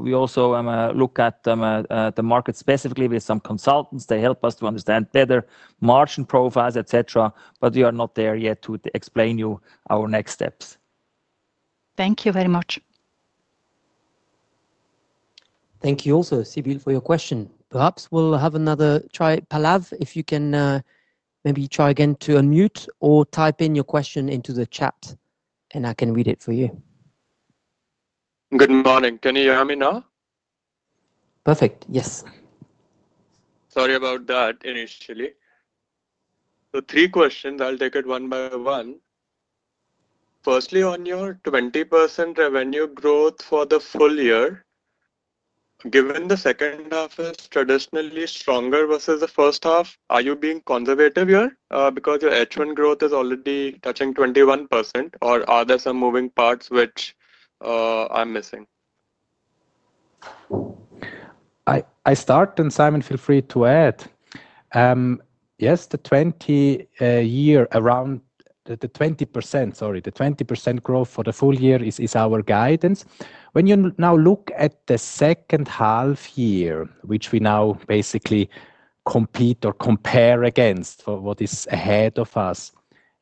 look at the market specifically with some consultants. They help us to understand better margin profiles, etc. We are not there yet to explain to you our next steps. Thank you very much. Thank you also, Sybil, for your question. Perhaps we'll have another try. Palav, if you can maybe try again to unmute or type in your question into the chat, and I can read it for you. Good morning. Can you hear me now? Perfect. Yes. Sorry about that initially. Three questions. I'll take it one by one. Firstly, on your 20% revenue growth for the full year, given the second half is traditionally stronger versus the first half, are you being conservative here? Because your H1 growth is already touching 21%, or are there some moving parts which I'm missing? I start, and Simon, feel free to add. Yes, the 20-year around the 20%, sorry, the 20% growth for the full year is our guidance. When you now look at the second half year, which we now basically compete or compare against for what is ahead of us,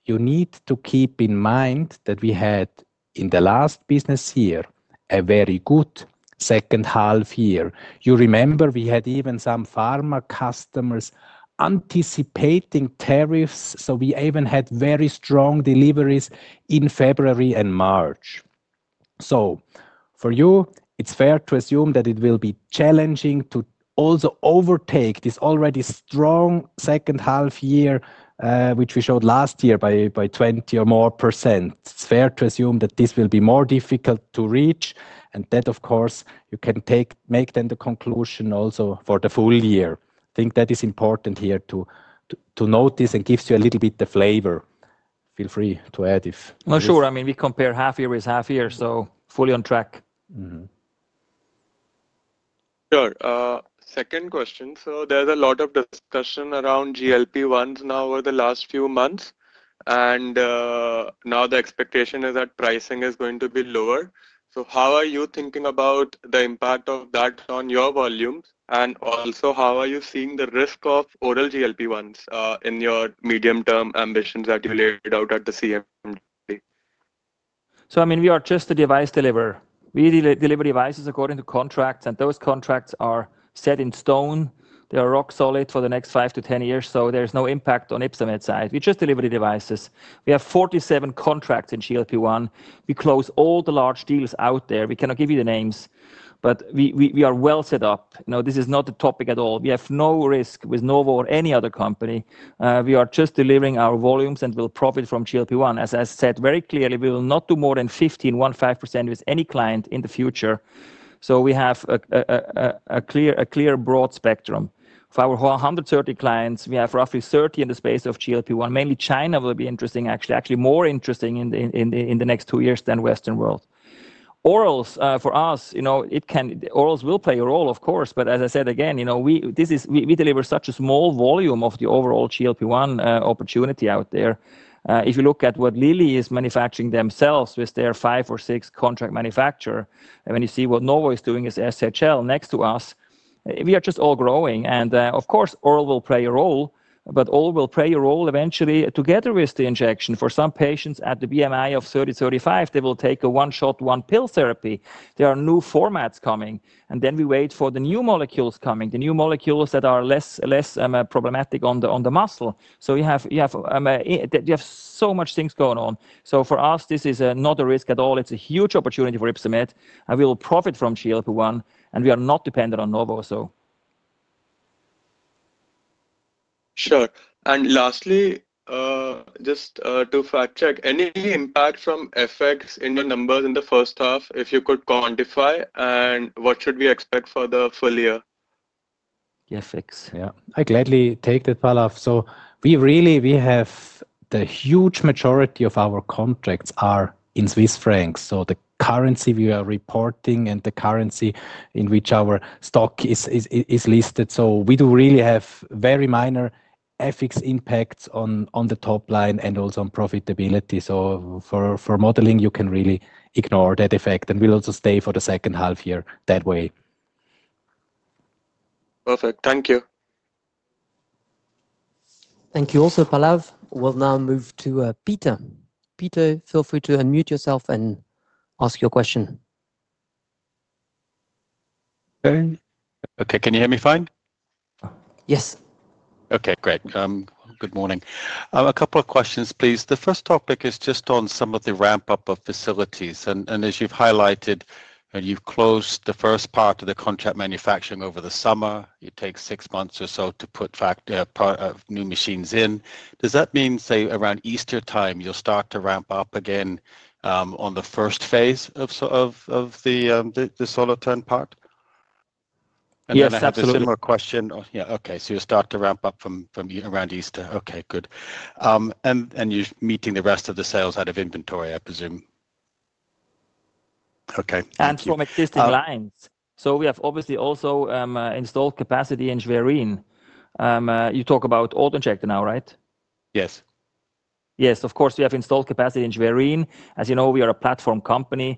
you need to keep in mind that we had in the last business year a very good second half year. You remember we had even some pharma customers anticipating tariffs. We even had very strong deliveries in February and March. For you, it is fair to assume that it will be challenging to also overtake this already strong second half year, which we showed last year by 20% or more. It is fair to assume that this will be more difficult to reach. That, of course, you can make then the conclusion also for the full year. I think that is important here to note this and gives you a little bit of flavor. Feel free to add if. No, sure. I mean, we compare half year with half year. Fully on track. Sure. Second question. There is a lot of discussion around GLP-1s now over the last few months. Now the expectation is that pricing is going to be lower. How are you thinking about the impact of that on your volumes? Also, how are you seeing the risk of Oral GLP-1s in your medium-term ambitions that you laid out at the CMD? I mean, we are just a device deliverer. We deliver devices according to contracts. Those contracts are set in stone. They are rock solid for the next five to ten years. There is no impact on Ypsomed side. We just deliver the devices. We have 47 contracts in GLP-1. We close all the large deals out there. We cannot give you the names. We are well set up. This is not a topic at all. We have no risk with Novo or any other company. We are just delivering our volumes and will profit from GLP-1. As I said very clearly, we will not do more than 15, 15% with any client in the future. We have a clear broad spectrum. For our 130 clients, we have roughly 30 in the space of GLP-1. Mainly China will be interesting, actually. Actually more interesting in the next two years than Western world. Orals for us, it can orals will play a role, of course. As I said again, we deliver such a small volume of the overall GLP-1 opportunity out there. If you look at what Lilly is manufacturing themselves with their five or six contract manufacturers, and when you see what Novo is doing as HL next to us, we are just all growing. Of course, oral will play a role. Oral will play a role eventually together with the injection. For some patients at the BMI of 30, 35, they will take a one-shot, one-pill therapy. There are new formats coming. We wait for the new molecules coming, the new molecules that are less problematic on the muscle. You have so much things going on. For us, this is not a risk at all. It's a huge opportunity for Ypsomed. We will profit from GLP-1. We are not dependent on Novo, so. Sure. Lastly, just to fact-check, any impact from FX in the numbers in the first half, if you could quantify? What should we expect for the full year? Yeah, FX. Yeah. I gladly take that, Palav. We really have the huge majority of our contracts in Swiss francs, so the currency we are reporting and the currency in which our stock is listed. We do really have very minor FX impacts on the top line and also on profitability. For modeling, you can really ignore that effect. It will also stay for the second half year that way. Perfect. Thank you. Thank you also, Palav. We'll now move to Peter. Peter, feel free to unmute yourself and ask your question. Okay. Can you hear me fine? Yes. Okay. Great. Good morning. A couple of questions, please. The first topic is just on some of the ramp-up of facilities. As you've highlighted, you've closed the first part of the Contract Manufacturing over the summer. You take six months or so to put new machines in. Does that mean, say, around Easter time, you'll start to ramp up again on the first phase of the Solothurn part? Yes, absolutely. That is a similar question. Yeah. Okay. You'll start to ramp up from around Easter. Okay. Good. You're meeting the rest of the sales out of inventory, I presume. Okay. From existing lines. We have obviously also installed capacity in Schwerin. You talk about autoinjector now, right? Yes. Yes, of course, we have installed capacity in Schwerin. As you know, we are a platform company.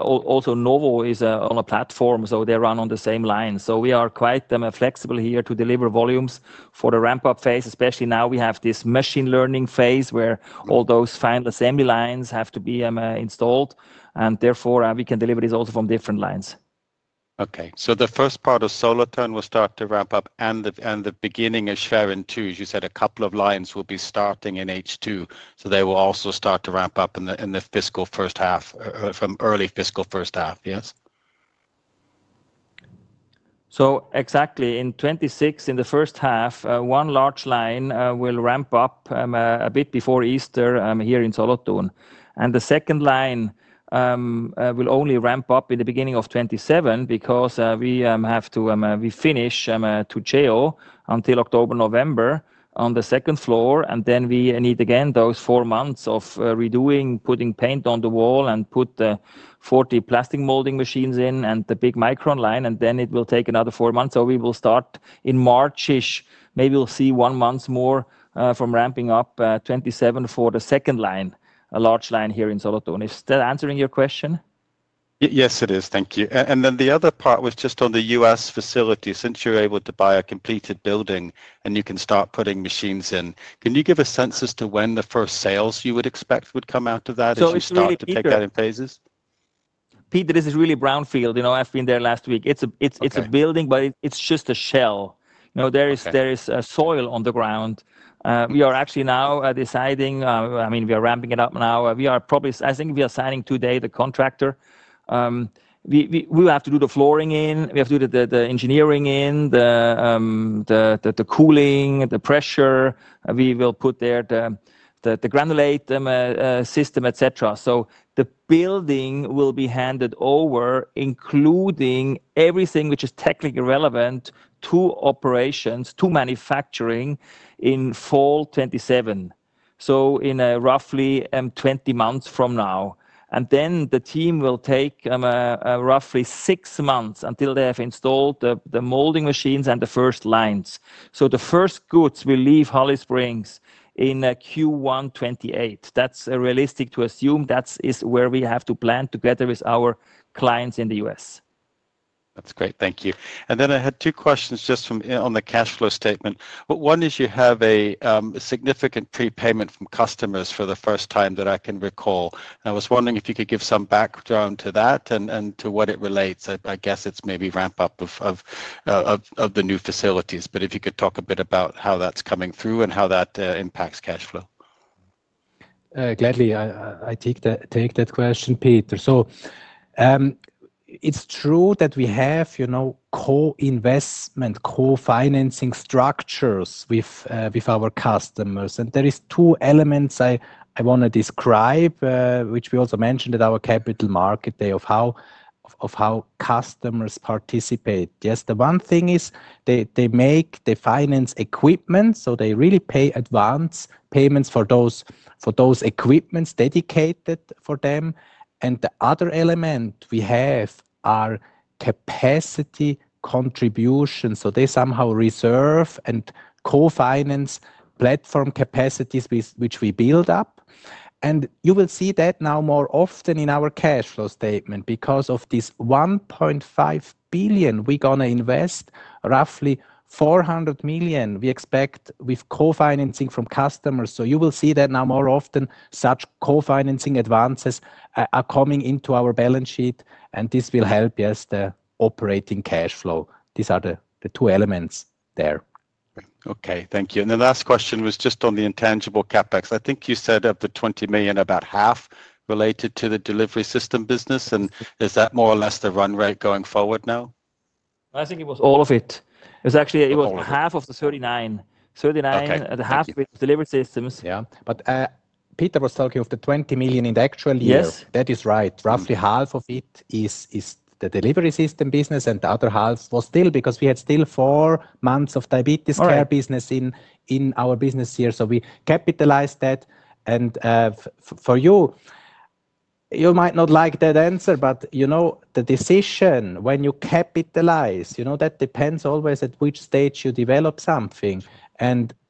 Also, Novo is on a platform. They run on the same line. We are quite flexible here to deliver volumes for the ramp-up phase, especially now we have this machine learning phase where all those final assembly lines have to be installed. Therefore, we can deliver this also from different lines. The first part of Solothurn will start to ramp up. The beginning of Schwerin too, as you said, a couple of lines will be starting in H2. They will also start to ramp up in the fiscal first half, from early fiscal first half. Yes. Exactly in 2026, in the first half, one large line will ramp up a bit before Easter here in Solothurn. The second line will only ramp up in the beginning of 2027 because we have to finish the Cheo until October, November on the second floor. Then we need again those four months of redoing, putting paint on the wall and put the 40 plastic molding machines in and the big micron line. It will take another four months. We will start in March-ish. Maybe we'll see one month more from ramping up 2027 for the second line, a large line here in Solothurn. Is that answering your question? Yes, it is. Thank you. The other part was just on the U.S. facility. Since you're able to buy a completed building and you can start putting machines in, can you give a sense as to when the first sales you would expect would come out of that? We started to take that in phases. Peter, this is really brownfield. I've been there last week. It's a building, but it's just a shell. There is soil on the ground. We are actually now deciding, I mean, we are ramping it up now. I think we are signing today the contractor. We will have to do the flooring in. We have to do the engineering in, the cooling, the pressure. We will put there the granulate system, et cetera. The building will be handed over, including everything which is technically relevant to operations, to manufacturing in fall 2027. In roughly 20 months from now. The team will take roughly six months until they have installed the molding machines and the first lines. The first goods will leave Holly Springs in Q1 2028. That is realistic to assume. That is where we have to plan together with our clients in the U.S. That is great. Thank you. I had two questions just on the cash flow statement. One is you have a significant prepayment from customers for the first time that I can recall. I was wondering if you could give some background to that and to what it relates. I guess it's maybe ramp-up of the new facilities. If you could talk a bit about how that's coming through and how that impacts cash flow. Gladly. I take that question, Peter. It's true that we have co-investment, co-financing structures with our customers. There are two elements I want to describe, which we also mentioned at our Capital Market Day, of how customers participate. Yes, the one thing is they finance equipment. They really pay advance payments for those equipments dedicated for them. The other element we have are capacity contributions. They somehow reserve and co-finance platform capacities which we build up. You will see that now more often in our cash flow statement because of this 1.5 billion we are going to invest, roughly 400 million we expect with co-financing from customers. You will see that now more often, such co-financing advances are coming into our balance sheet. This will help, yes, the operating cash flow. These are the two elements there. Okay. Thank you. The last question was just on the intangible CapEx. I think you said of the 20 million, about half related to the Delivery System business. Is that more or less the run rate going forward now? I think it was all of it. It was actually half of the 39 million. 39 million, half with Delivery Systems. Yeah. Peter was talking of the 20 million in the actual year. That is right. Roughly half of it is the Delivery System business. The other half was still because we had still four months of Diabetes Care business in our business year. We capitalized that. For you, you might not like that answer, but the decision when you capitalize, that depends always at which stage you develop something.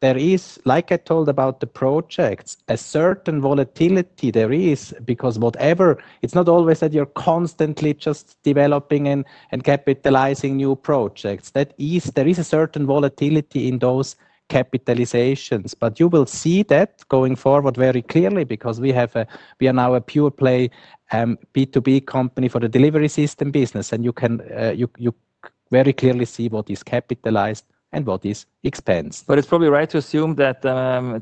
There is, like I told about the projects, a certain volatility there is because whatever, it's not always that you're constantly just developing and capitalizing new projects. There is a certain volatility in those capitalizations. You will see that going forward very clearly because we are now a pure play B2B company for the Delivery System business. You can very clearly see what is capitalized and what is expensed. It's probably right to assume that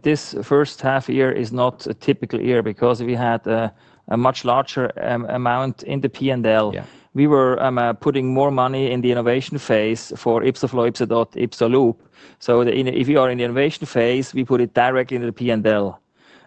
this first half year is not a typical year because we had a much larger amount in the P&L. We were putting more money in the innovation phase for YpsoFlow, YpsoDot, YpsoLoop. If you are in the innovation phase, we put it directly into the P&L.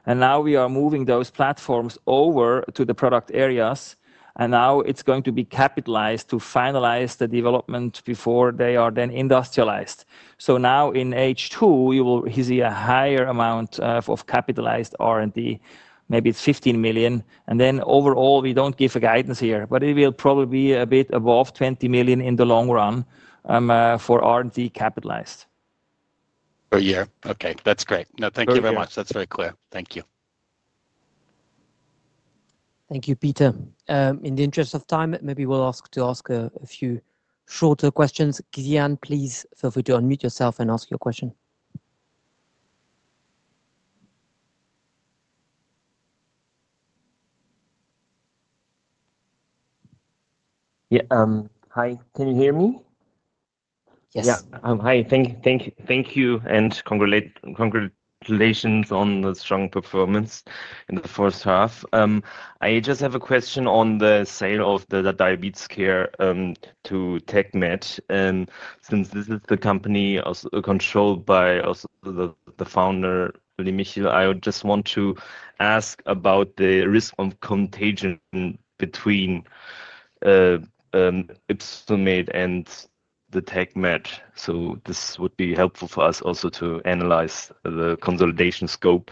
Now we are moving those platforms over to the product areas. Now it is going to be capitalized to finalize the development before they are then industrialized. In H2, you will see a higher amount of capitalized R&D. Maybe it is 15 million. Overall, we do not give a guidance here, but it will probably be a bit above 20 million in the long run for R&D capitalized. Oh, yeah. Okay. That is great. No, thank you very much. That is very clear. Thank you. Thank you, Peter. In the interest of time, maybe we will ask a few shorter questions. Xian, please feel free to unmute yourself and ask your question. Yeah. Hi. Can you hear me? Yes. Yeah. Hi. Thank you. Congratulations on the strong performance in the first half. I just have a question on the sale of the Diabetes Care to TecMed. Since this is the company controlled by the founder, Michel, I just want to ask about the risk of contagion between Ypsomed and TecMed. This would be helpful for us also to analyze the consolidation scope.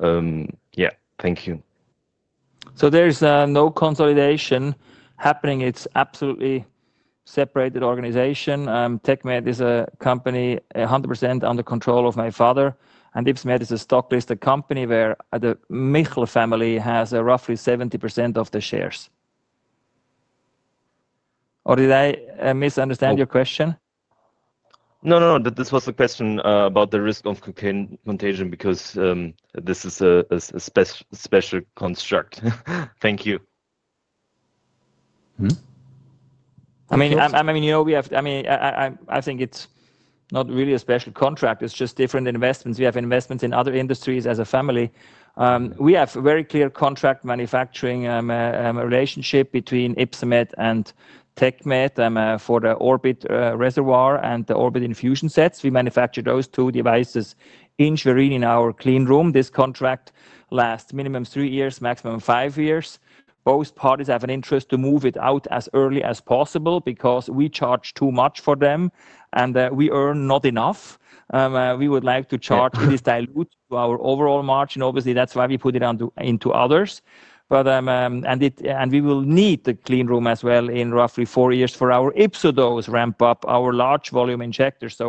Thank you. There is no consolidation happening. It is absolutely a separate organization. TecMed is a company 100% under control of my father. Ypsomed is a stock-listed company where the Michel family has roughly 70% of the shares. Or did I misunderstand your question? No, no, no. This was the question about the risk of contagion because this is a special construct. Thank you. I mean, you know, I think it is not really a special contract. It is just different investments. We have investments in other industries as a family. We have a very clear contract manufacturing relationship between Ypsomed and TecMed for the Orbit reservoir and the Orbit infusion sets. We manufacture those two devices in Schwerin in our clean room. This contract lasts minimum three years, maximum five years. Both parties have an interest to move it out as early as possible because we charge too much for them and we earn not enough. We would like to charge this dilute to our overall margin. Obviously, that's why we put it into others. We will need the clean room as well in roughly four years for our YpsoDose ramp-up, our large volume injectors.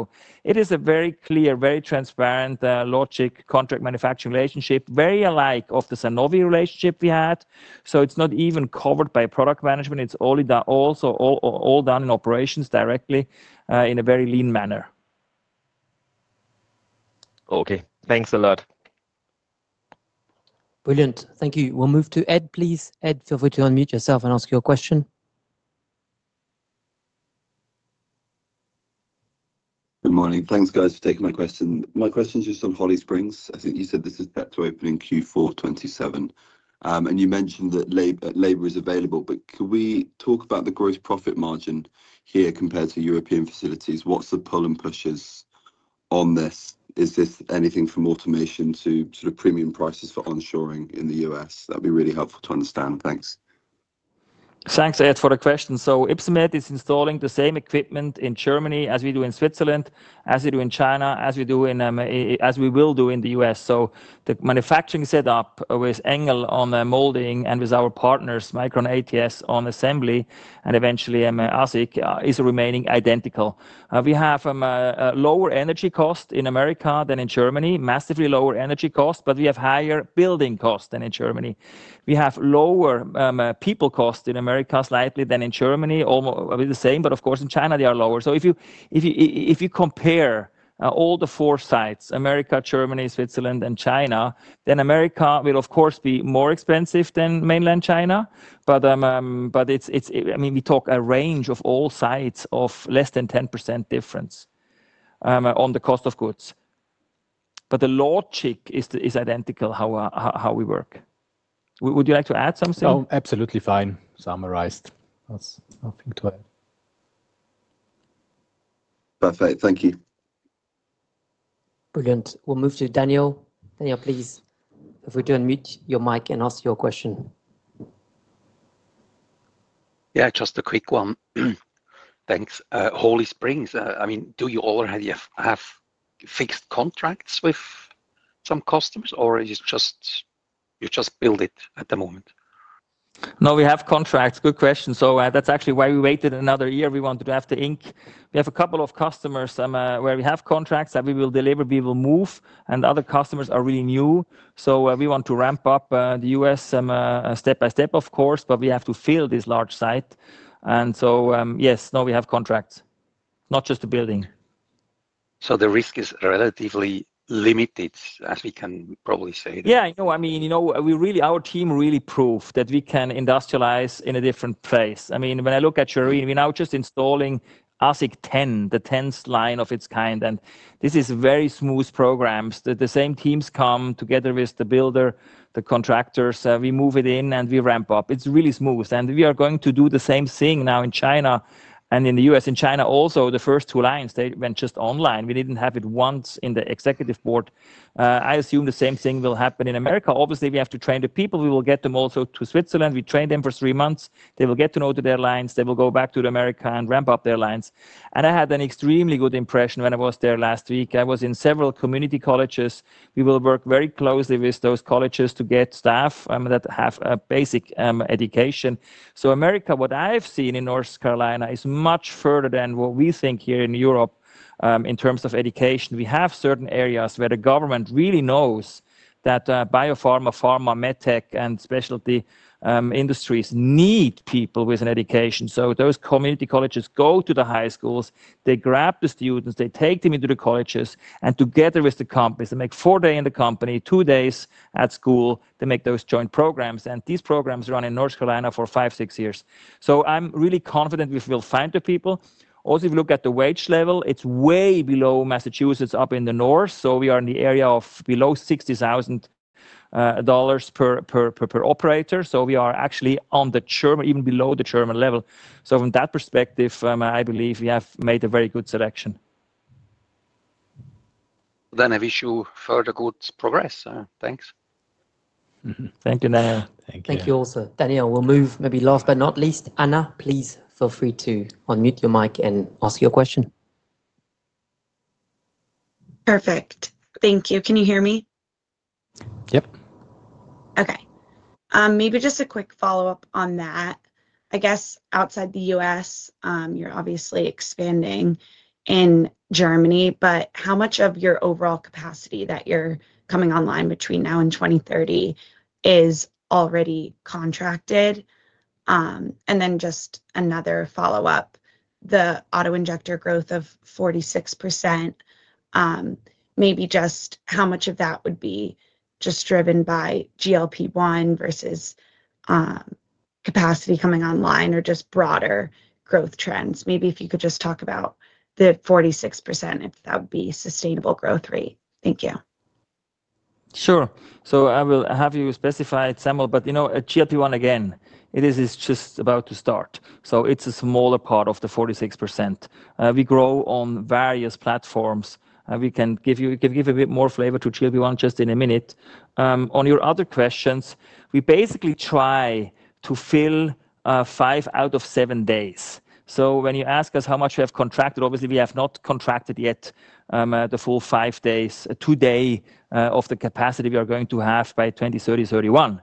It is a very clear, very transparent logic contract manufacturing relationship, very alike of the Sanofi relationship we had. It is not even covered by Product Management. It's all done in operations directly in a very lean manner. Okay. Thanks a lot. Brilliant. Thank you. We'll move to Ed, please. Ed, feel free to unmute yourself and ask your question. Good morning. Thanks, guys, for taking my question. My question is just on Holly Springs. I think you said this is set to open in Q4 2027. And you mentioned that labor is available, but can we talk about the gross profit margin here compared to European facilities? What's the pull and pushes on this? Is this anything from automation to sort of premium prices for onshoring in the U.S.? That'd be really helpful to understand. Thanks. Thanks, Ed, for the question. So Ypsomed is installing the same equipment in Germany as we do in Switzerland, as we do in China, as we will do in the U.S. The manufacturing setup with Engel on molding and with our partners, Mikron ATS on assembly, and eventually ASIC is remaining identical. We have a lower energy cost in America than in Germany, massively lower energy cost, but we have higher building cost than in Germany. We have lower people cost in America slightly than in Germany, almost the same, but of course in China, they are lower. If you compare all the four sites, America, Germany, Switzerland, and China, then America will of course be more expensive than mainland China. I mean, we talk a range of all sites of less than 10% difference on the cost of goods. The logic is identical how we work. Would you like to add something? Oh, absolutely fine. Summarized. Nothing to add. Perfect. Thank you. Brilliant. We'll move to Daniel. Daniel, please, feel free to unmute your mic and ask your question. Yeah, just a quick one. Thanks. Holly Springs, I mean, do you already have fixed contracts with some customers, or is it just you just build it at the moment? No, we have contracts. Good question. That is actually why we waited another year. We wanted to have to ink. We have a couple of customers where we have contracts that we will deliver, we will move, and other customers are really new. We want to ramp up the U.S. step by step, of course, but we have to fill this large site. Yes, no, we have contracts, not just the building. The risk is relatively limited, as we can probably say. Yeah, no, I mean, you know, our team really proved that we can industrialize in a different place. I mean, when I look at Schwerin, we're now just installing ASIC 10, the 10th line of its kind. This is very smooth programs. The same teams come together with the builder, the contractors. We move it in and we ramp up. It's really smooth. We are going to do the same thing now in China and in the U.S. In China also, the first two lines, they went just online. We didn't have it once in the executive board. I assume the same thing will happen in America. Obviously, we have to train the people. We will get them also to Switzerland. We train them for three months. They will get to know their lines. They will go back to America and ramp up their lines. I had an extremely good impression when I was there last week. I was in several community colleges. We will work very closely with those colleges to get staff that have basic education. America, what I've seen in North Carolina is much further than what we think here in Europe in terms of education. We have certain areas where the government really knows that biopharma, pharma, medtech, and specialty industries need people with an education. Those community colleges go to the high schools. They grab the students. They take them into the colleges. Together with the companies, they make four days in the company, two days at school. They make those joint programs. These programs run in North Carolina for five, six years. I'm really confident we will find the people. Also, if you look at the wage level, it's way below Massachusetts up in the north. We are in the area of below $60,000 per operator. We are actually on the German, even below the German level. From that perspective, I believe we have made a very good selection. I wish you further good progress. Thanks. Thank you, Daniel. Thank you. Thank you also. Daniel, we'll move maybe last but not least. Anna, please feel free to unmute your mic and ask your question. Perfect. Thank you. Can you hear me? Yep. Okay. Maybe just a quick follow-up on that. I guess outside the U.S., you're obviously expanding in Germany, but how much of your overall capacity that you're coming online between now and 2030 is already contracted? And then just another follow-up, the auto-injector growth of 46%, maybe just how much of that would be just driven by GLP-1 versus capacity coming online or just broader growth trends? Maybe if you could just talk about the 46%, if that would be sustainable growth rate. Thank you. Sure. I will have you specify it, Samuel, but you know, GLP-1 again, it is just about to start. It is a smaller part of the 46%. We grow on various platforms. We can give you a bit more flavor to GLP-1 just in a minute. On your other questions, we basically try to fill five out of seven days. When you ask us how much we have contracted, obviously we have not contracted yet the full five days, two days of the capacity we are going to have by 2030, 2031.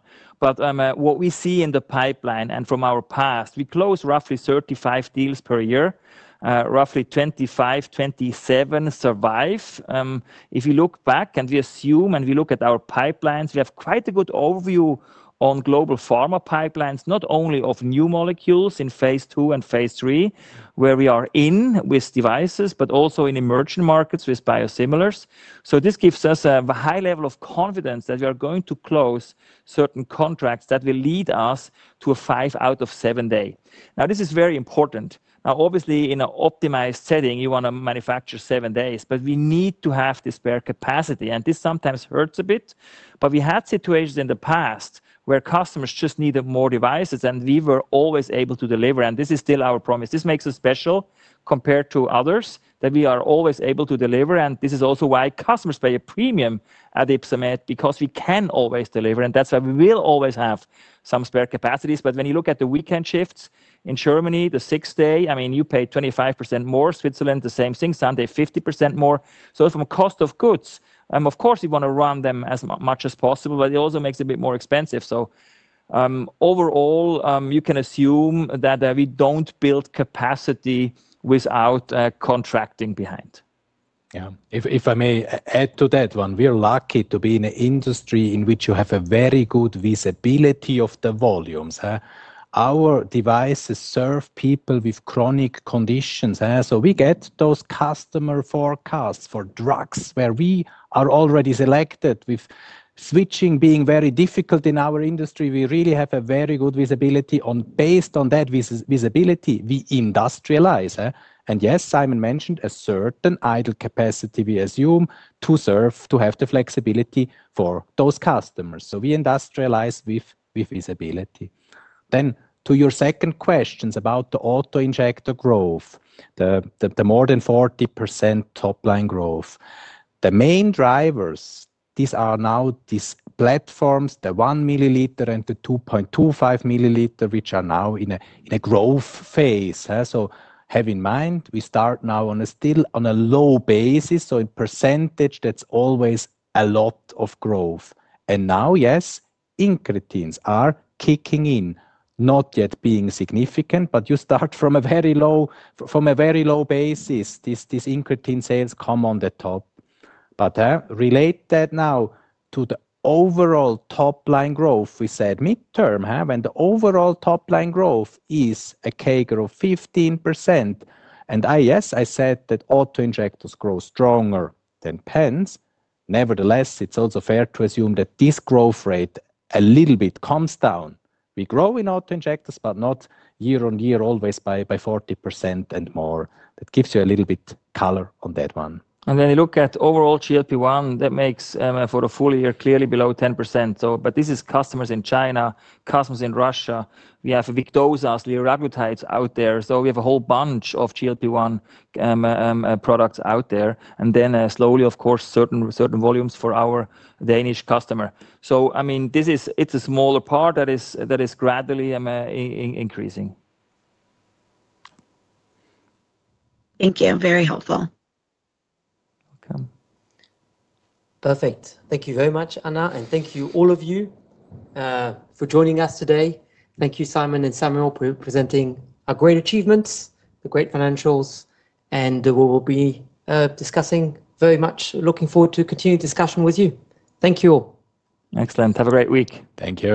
What we see in the pipeline and from our past, we close roughly 35 deals per year. Roughly 25, 27 survive. If you look back and we assume and we look at our pipelines, we have quite a good overview on global pharma pipelines, not only of new molecules in phase two and phase three where we are in with devices, but also in emerging markets with biosimilars. This gives us a high level of confidence that we are going to close certain contracts that will lead us to a five out of seven day. This is very important. Obviously, in an optimized setting, you want to manufacture seven days, but we need to have this spare capacity. This sometimes hurts a bit, but we had situations in the past where customers just needed more devices and we were always able to deliver. This is still our promise. This makes us special compared to others that we are always able to deliver. This is also why customers pay a premium at Ypsomed because we can always deliver. That is why we will always have some spare capacities. When you look at the weekend shifts in Germany, the sixth day, I mean, you pay 25% more. Switzerland, the same thing, Sunday, 50% more. From cost of goods, of course, you want to run them as much as possible, but it also makes it a bit more expensive. Overall, you can assume that we do not build capacity without contracting behind. Yeah. If I may add to that one, we are lucky to be in an industry in which you have very good visibility of the volumes. Our devices serve people with chronic conditions. We get those customer forecasts for drugs where we are already selected with switching being very difficult in our industry. We really have a very good visibility. Based on that visibility, we industrialize. Yes, Simon mentioned a certain idle capacity we assume to serve to have the flexibility for those customers. We industrialize with visibility. To your second question about the auto-injector growth, the more than 40% top line growth, the main drivers, these are now these platforms, the 1 milliliter and the 2.25 milliliter, which are now in a growth phase. Have in mind, we start now still on a low basis. In percentage, that's always a lot of growth. Now, incretins are kicking in, not yet being significant, but you start from a very low, from a very low basis. These incretin sales come on the top. Relate that now to the overall top line growth. We said midterm when the overall top line growth is a CAGR of 15%. Yes, I said that auto-injectors grow stronger than pens. Nevertheless, it's also fair to assume that this growth rate a little bit comes down. We grow in auto-injectors, but not year on year, always by 40% and more. That gives you a little bit color on that one. You look at overall GLP-1, that makes for the full year clearly below 10%. This is customers in China, customers in Russia. We have Victoza, GLP-1s, liraglutides out there. We have a whole bunch of GLP-1 products out there. Slowly, of course, certain volumes for our Danish customer. I mean, this is, it's a smaller part that is gradually increasing. Thank you. Very helpful. Perfect. Thank you very much, Anna. Thank you all of you for joining us today. Thank you, Simon and Samuel, for presenting our great achievements, the great financials, and we will be discussing very much, looking forward to continued discussion with you. Thank you all. Excellent. Have a great week. Thank you.